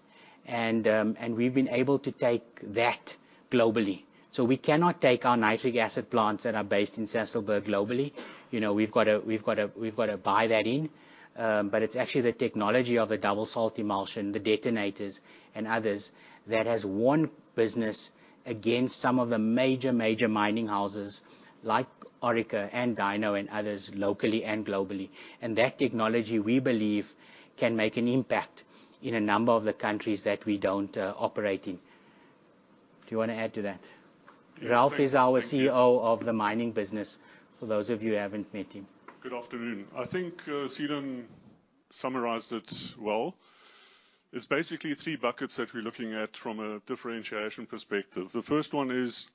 C: we've been able to take that globally. We cannot take our nitric acid plants that are based in Sasolburg globally. You know, we've got to buy that in. It's actually the technology of the dual salt emulsion, the detonators and others, that has won business against some of the major mining houses like Orica and Dyno and others, locally and globally. That technology, we believe, can make an impact in a number of the countries that we don't operate in. Do you want to add to that?
I: Yes, thank you.
C: Ralf is our CEO of the mining business, for those of you who haven't met him.
I: Good afternoon. I think Seelan summarized it well. It's basically three buckets that we're looking at from a differentiation perspective. The first one is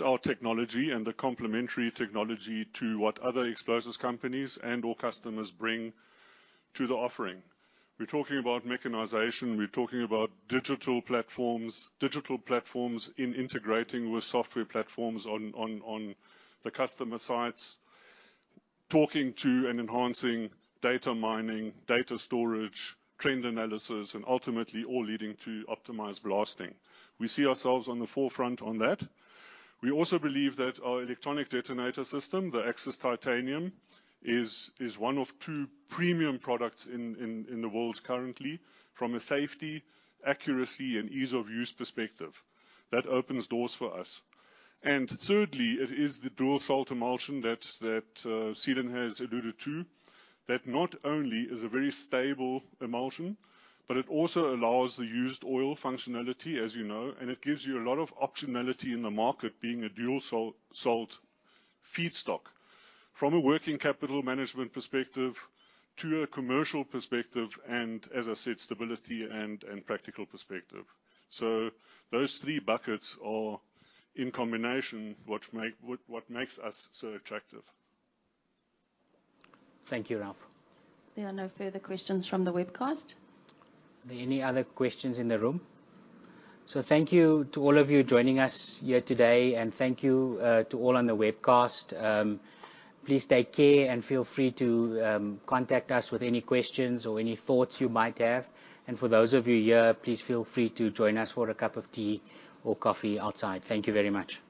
I: our technology and the complementary technology to what other explosives companies and/or customers bring to the offering. We're talking about mechanization. We're talking about digital platforms, digital platforms in integrating with software platforms on the customer sites. Talking to and enhancing data mining, data storage, trend analysis, and ultimately all leading to optimized blasting. We see ourselves on the forefront on that. We also believe that our electronic detonator system, the AXXIS Titanium, is one of two premium products in the world currently, from a safety, accuracy, and ease-of-use perspective. That opens doors for us. Thirdly, it is the dual salt emulsion that Seelan has alluded to, that not only is a very stable emulsion, but it also allows the used oil functionality, as you know, and it gives you a lot of optionality in the market, being a dual salt feedstock, from a working capital management perspective to a commercial perspective, and as I said, stability and practical perspective. Those three buckets are, in combination, what makes us so attractive.
C: Thank you, Ralf.
A: There are no further questions from the webcast.
C: Are there any other questions in the room? Thank you to all of you joining us here today, and thank you to all on the webcast. Please take care and feel free to contact us with any questions or any thoughts you might have. For those of you here, please feel free to join us for a cup of tea or coffee outside. Thank you very much.